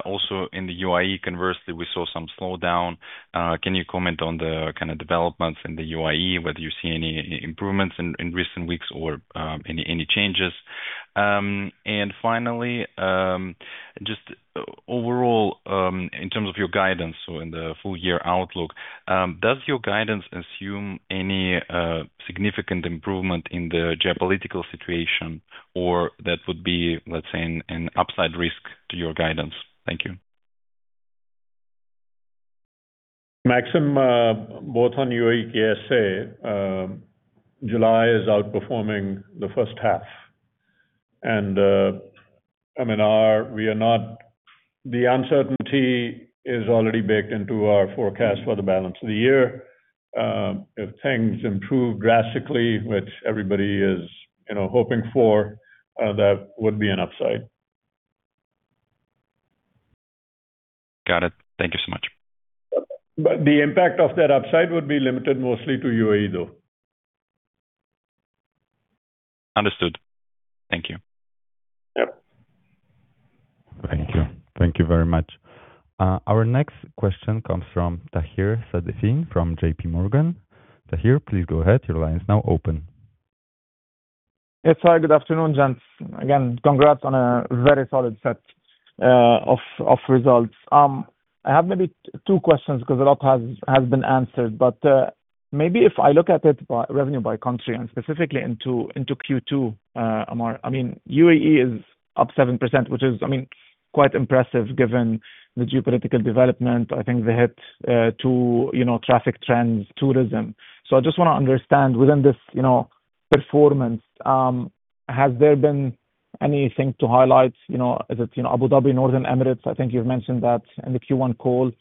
Also in the UAE, conversely, we saw some slowdown. Can you comment on the kind of developments in the UAE, whether you see any improvements in recent weeks or any changes? Finally, just overall, in terms of your guidance, in the full year outlook, does your guidance assume any significant improvement in the geopolitical situation or that would be, let's say, an upside risk to your guidance? Thank you. Maxim, both on UAE, KSA, July is outperforming the first half. I mean, the uncertainty is already baked into our forecast for the balance of the year. If things improve drastically, which everybody is hoping for, that would be an upside. Got it. Thank you so much. The impact of that upside would be limited mostly to UAE, though. Understood. Thank you. Yep. Thank you. Thank you very much. Our next question comes from Taher Safieddine from JPMorgan. Taher, please go ahead. Your line is now open. Yes. Hi, good afternoon, gents. Again, congrats on a very solid set of results. I have maybe two questions because a lot has been answered. Maybe if I look at it by revenue by country and specifically into Q2, Amar. I mean, UAE is up 7%, which is quite impressive given the geopolitical development. I think they hit to traffic trends tourism. I just want to understand within this performance, has there been anything to highlight? Is it Abu Dhabi, Northern Emirates? I think you've mentioned that in the Q1 call,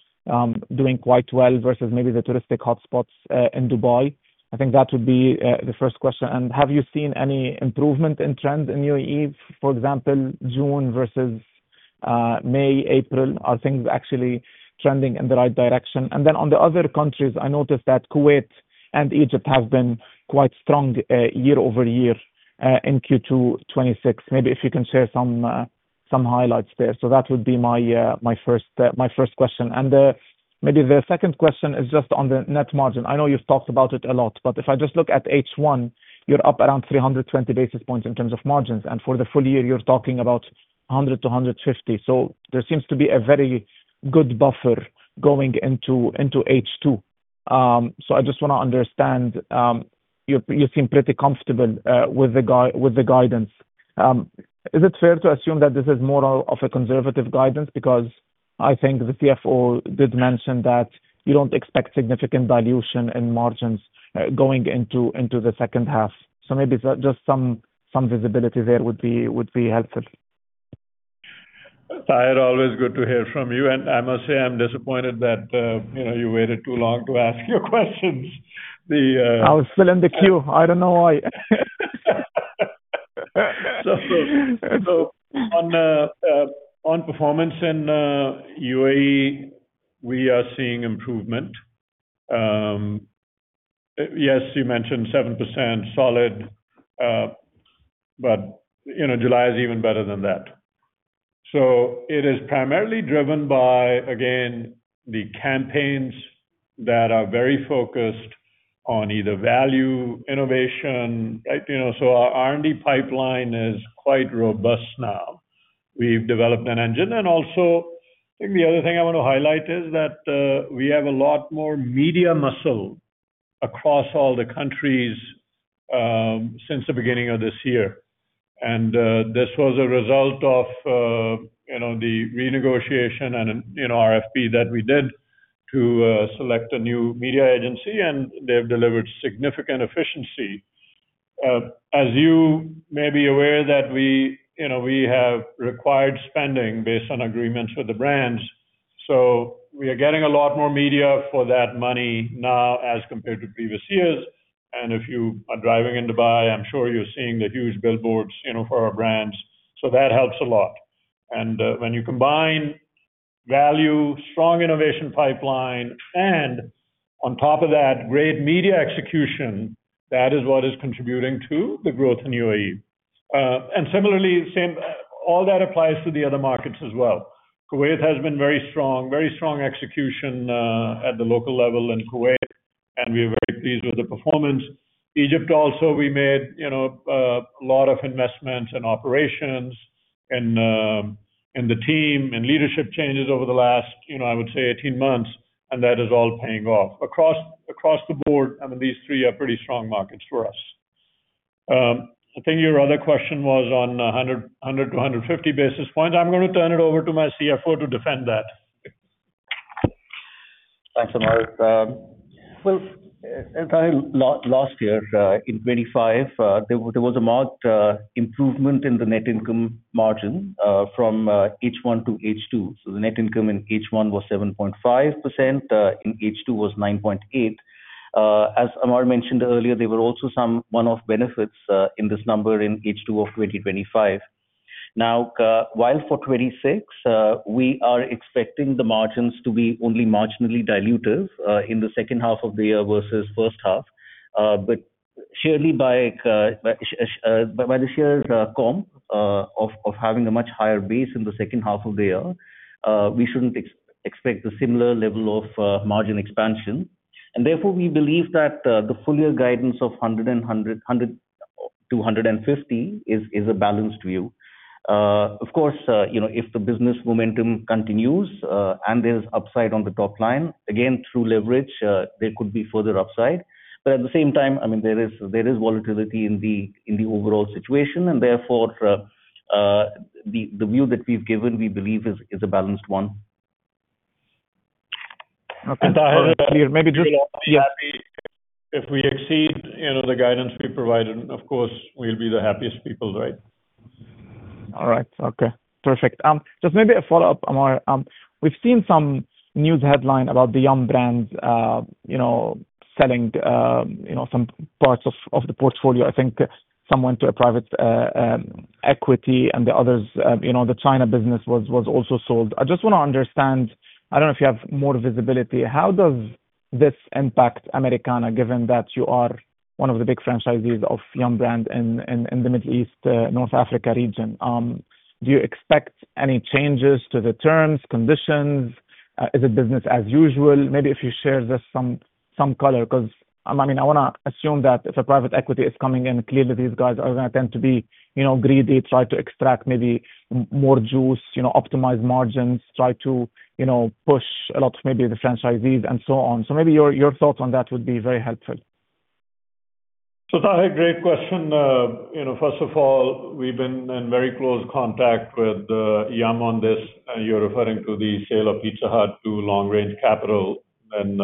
doing quite well versus maybe the touristic hotspots in Dubai. I think that would be the first question. Have you seen any improvement in trends in UAE, for example, June versus May, April, are things actually trending in the right direction? On the other countries, I noticed that Kuwait and Egypt have been quite strong year-over-year, in Q2 2026. Maybe if you can share some highlights there. That would be my first question. Maybe the second question is just on the net margin. I know you've talked about it a lot, but if I just look at H1, you're up around 320 basis points in terms of margins. For the full year, you're talking about 100 to 150. There seems to be a very good buffer going into H2. I just want to understand, you seem pretty comfortable with the guidance. Is it fair to assume that this is more of a conservative guidance? Because I think the CFO did mention that you don't expect significant dilution in margins going into the second half. Maybe just some visibility there would be helpful. Taher, always good to hear from you. I must say, I'm disappointed that you waited too long to ask your questions. I was still in the queue. I don't know why. On performance in UAE, we are seeing improvement. Yes, you mentioned 7% solid. July is even better than that. It is primarily driven by, again, the campaigns that are very focused on either value, innovation. Our R&D pipeline is quite robust now. We've developed an engine and also, I think the other thing I want to highlight is that we have a lot more media muscle across all the countries since the beginning of this year. This was a result of the renegotiation and an RFP that we did to select a new media agency, and they've delivered significant efficiency. As you may be aware that we have required spending based on agreements with the brands. We are getting a lot more media for that money now as compared to previous years. If you are driving in Dubai, I'm sure you're seeing the huge billboards for our brands. That helps a lot. When you combine value, strong innovation pipeline, and on top of that, great media execution, that is what is contributing to the growth in UAE. Similarly, all that applies to the other markets as well. Kuwait has been very strong. Very strong execution at the local level in Kuwait, and we are very pleased with the performance. Egypt also, we made a lot of investments in operations and the team and leadership changes over the last, I would say, 18 months, and that is all paying off. Across the board, these three are pretty strong markets for us. I think your other question was on 100-150 basis points. I'm going to turn it over to my CFO to defend that. Thanks, Amar. Taher, last year, in 2025, there was a marked improvement in the net income margin from H1 to H2. The net income in H1 was 7.5%, in H2 was 9.8%. As Amar mentioned earlier, there were also some one-off benefits in this number in H2 of 2025. While for 2026, we are expecting the margins to be only marginally dilutive in the second half of the year versus first half. Surely by the share's comp of having a much higher base in the second half of the year, we shouldn't expect a similar level of margin expansion. Therefore, we believe that the full-year guidance of 100-150 basis points is a balanced view. Of course, if the business momentum continues, and there's upside on the top line, again, through leverage, there could be further upside. At the same time, there is volatility in the overall situation, and therefore, the view that we've given, we believe is a balanced one. Okay. Taher. Clear. Maybe. If we exceed the guidance we provided, of course, we'll be the happiest people, right? All right. Okay. Perfect. Just maybe a follow-up, Amar. We've seen some news headline about the Yum! Brands, selling some parts of the portfolio. I think some went to a private equity and the others, the China business was also sold. I just want to understand, I don't know if you have more visibility, how does this impact Americana, given that you are one of the big franchisees of Yum! Brands in the Middle East, North Africa region? Do you expect any changes to the terms, conditions? Is it business as usual? Maybe if you share just some color, because I want to assume that if a private equity is coming in, clearly these guys are going to tend to be greedy, try to extract maybe more juice, optimize margins, try to push a lot maybe the franchisees and so on. Maybe your thoughts on that would be very helpful. Taher, great question. First of all, we've been in very close contact with Yum! on this. You're referring to the sale of Pizza Hut to LongRange Capital and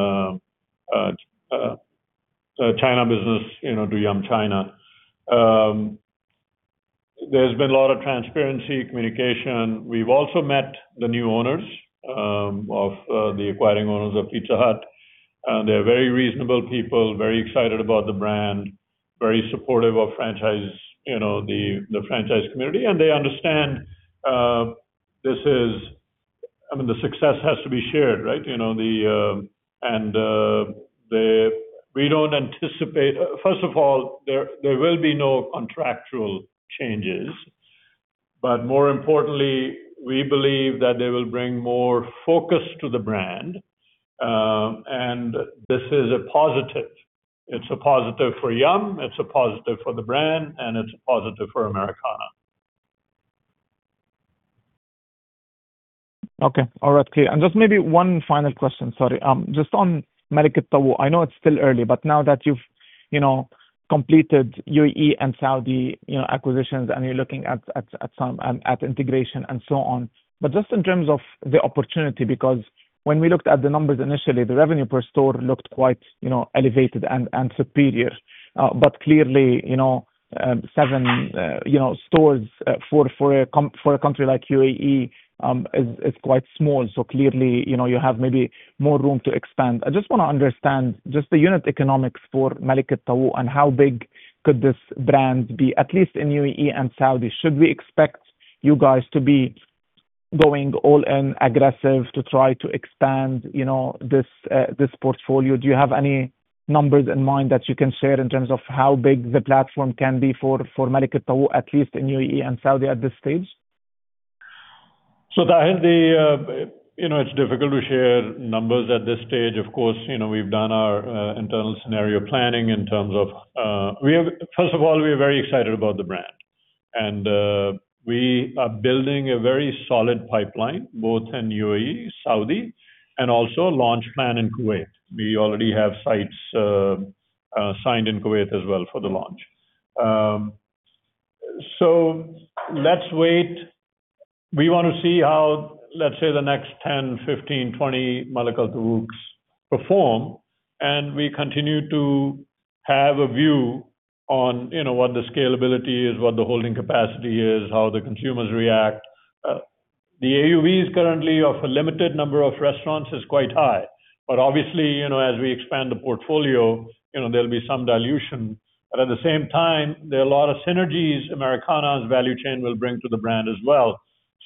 China business, to Yum China. There's been a lot of transparency, communication. We've also met the new owners of, the acquiring owners of Pizza Hut. They're very reasonable people, very excited about the brand, very supportive of the franchise community, and they understand the success has to be shared, right? First of all, there will be no contractual changes. More importantly, we believe that they will bring more focus to the brand, and this is a positive. It's a positive for Yum, it's a positive for the brand, and it's a positive for Americana. Okay. All right. Just maybe one final question. Sorry. Just on Malak Al Tawouk. I know it's still early, but now that you've completed UAE and Saudi acquisitions and you're looking at integration and so on. Just in terms of the opportunity, because when we looked at the numbers initially, the revenue per store looked quite elevated and superior. Clearly, seven stores for a country like UAE is quite small. Clearly, you have maybe more room to expand. I just want to understand just the unit economics for Malak Al Tawouk and how big could this brand be, at least in UAE and Saudi. Should we expect you guys to be going all in aggressive to try to expand this portfolio? Do you have any numbers in mind that you can share in terms of how big the platform can be for Malak Al Tawouk, at least in UAE and Saudi at this stage? Taher, it's difficult to share numbers at this stage. Of course, we've done our internal scenario planning in terms of. First of all, we are very excited about the brand. And we are building a very solid pipeline, both in UAE, Saudi, and also a launch plan in Kuwait. We already have sites signed in Kuwait as well for the launch. Let's wait. We want to see how, let's say, the next 10, 15, 20 Malak Al Tawouk perform, and we continue to have a view on what the scalability is, what the holding capacity is, how the consumers react. The AUV is currently of a limited number of restaurants, is quite high. But obviously, as we expand the portfolio, there'll be some dilution. But at the same time, there are a lot of synergies Americana's value chain will bring to the brand as well.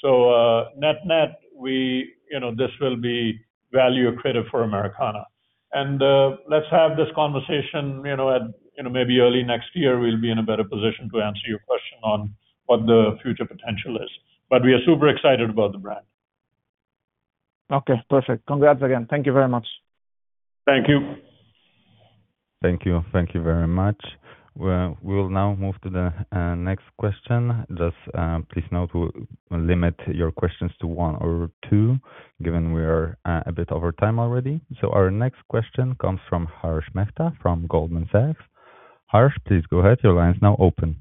Net-net, this will be value accretive for Americana. And let's have this conversation maybe early next year, we'll be in a better position to answer your question on what the future potential is. We are super excited about the brand. Perfect. Congrats again. Thank you very much. Thank you. Thank you. Thank you very much. We will now move to the next question. Just please note, we will limit your questions to one or two, given we are a bit over time already. Our next question comes from Harsh Mehta from Goldman Sachs. Harsh, please go ahead. Your line is now open.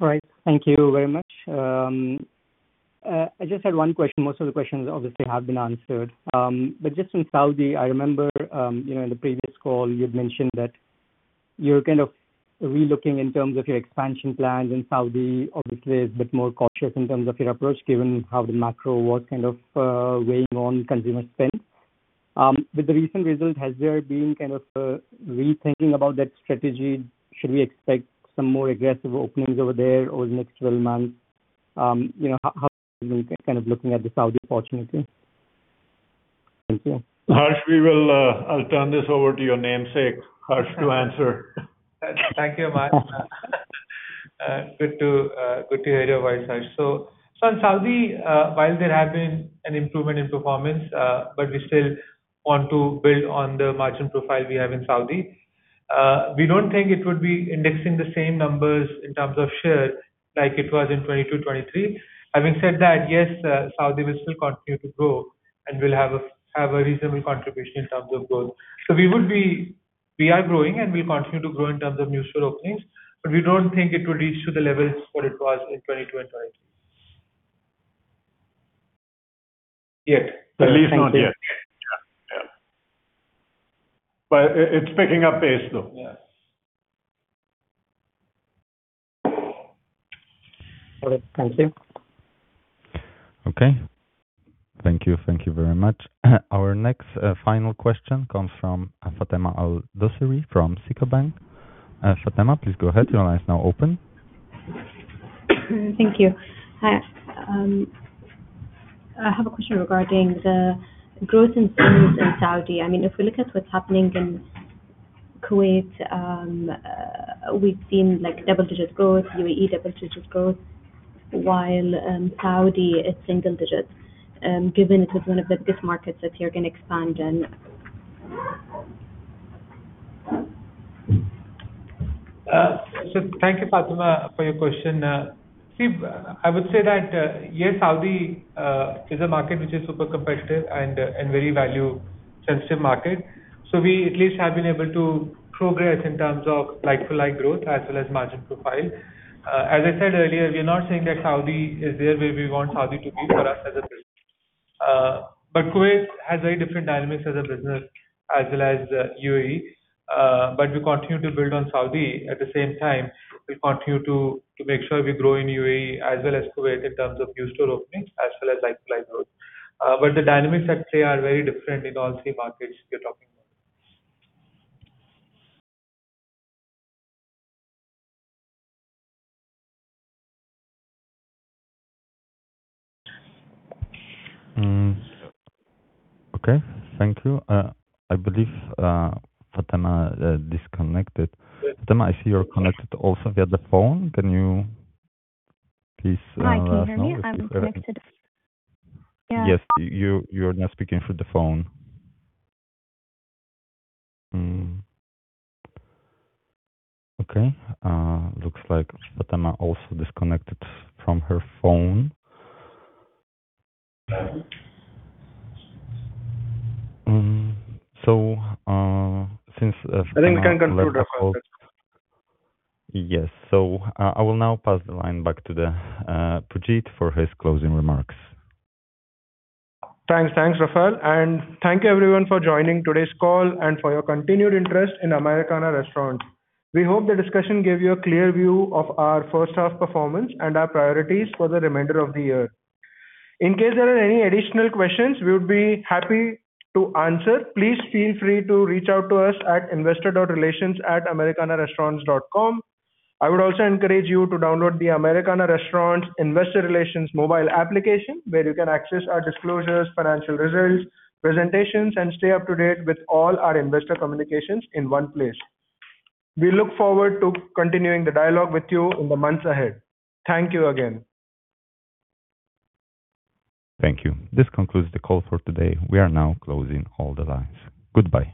All right. Thank you very much. I just had one question. Most of the questions obviously have been answered. Just on Saudi, I remember in the previous call you had mentioned that you are relooking in terms of your expansion plans in Saudi. Obviously, a bit more cautious in terms of your approach, given how the macro was kind of weighing on consumer spend. With the recent result, has there been a rethinking about that strategy? Should we expect some more aggressive openings over there over the next 12 months? How are you looking at the Saudi opportunity? Thank you. Harsh, I will turn this over to your namesake, Harsh, to answer. Thank you, Amar. Good to hear your voice, Harsh. On Saudi, while there have been an improvement in performance, we still want to build on the margin profile we have in Saudi. We don't think it would be indexing the same numbers in terms of shares like it was in 2022, 2023. Having said that, yes, Saudi will still continue to grow and will have a reasonable contribution in terms of growth. We are growing and we will continue to grow in terms of new store openings, but we don't think it will reach to the levels what it was in 2022 and 2023 yet. At least not yet. Yeah. It's picking up pace, though. Yes. Got it. Thank you. Okay. Thank you. Thank you very much. Our next final question comes from Fatema Al-Doseri from SICO Bank. Fatema, please go ahead. Your line is now open. Thank you. Hi. I have a question regarding the growth in sales in Saudi. If we look at what's happening in Kuwait, we've seen double-digit growth, UAE double-digit growth, while Saudi is single digit. Given it is one of the big markets that you're going to expand in. Thank you, Fatema, for your question. I would say that, yes, Saudi is a market which is super competitive and very value-sensitive market. We at least have been able to progress in terms of like-for-like growth as well as margin profile. As I said earlier, we are not saying that Saudi is there where we want Saudi to be for us as a business. Kuwait has very different dynamics as a business as well as UAE. We continue to build on Saudi. At the same time, we continue to make sure we grow in UAE as well as Kuwait in terms of new store openings as well as like-for-like growth. The dynamics at play are very different in all three markets we're talking about. Okay. Thank you. I believe Fatema disconnected. Fatema, I see you're connected also via the phone. Can you please- Hi, can you hear me? I'm connected, yeah. Yes. You're now speaking through the phone. Okay. Looks like Fatema also disconnected from her phone. Since Fatema. I think we can conclude the call. Yes. I will now pass the line back to Pujeet for his closing remarks. Thanks, Rafal, and thank you everyone for joining today's call and for your continued interest in Americana Restaurants. We hope the discussion gave you a clear view of our first half performance and our priorities for the remainder of the year. In case there are any additional questions, we would be happy to answer. Please feel free to reach out to us at investor.relations@americanarestaurants.com. I would also encourage you to download the Americana Restaurants Investor Relations mobile application, where you can access our disclosures, financial results, presentations, and stay up to date with all our investor communications in one place. We look forward to continuing the dialogue with you in the months ahead. Thank you again. Thank you. This concludes the call for today. We are now closing all the lines. Goodbye.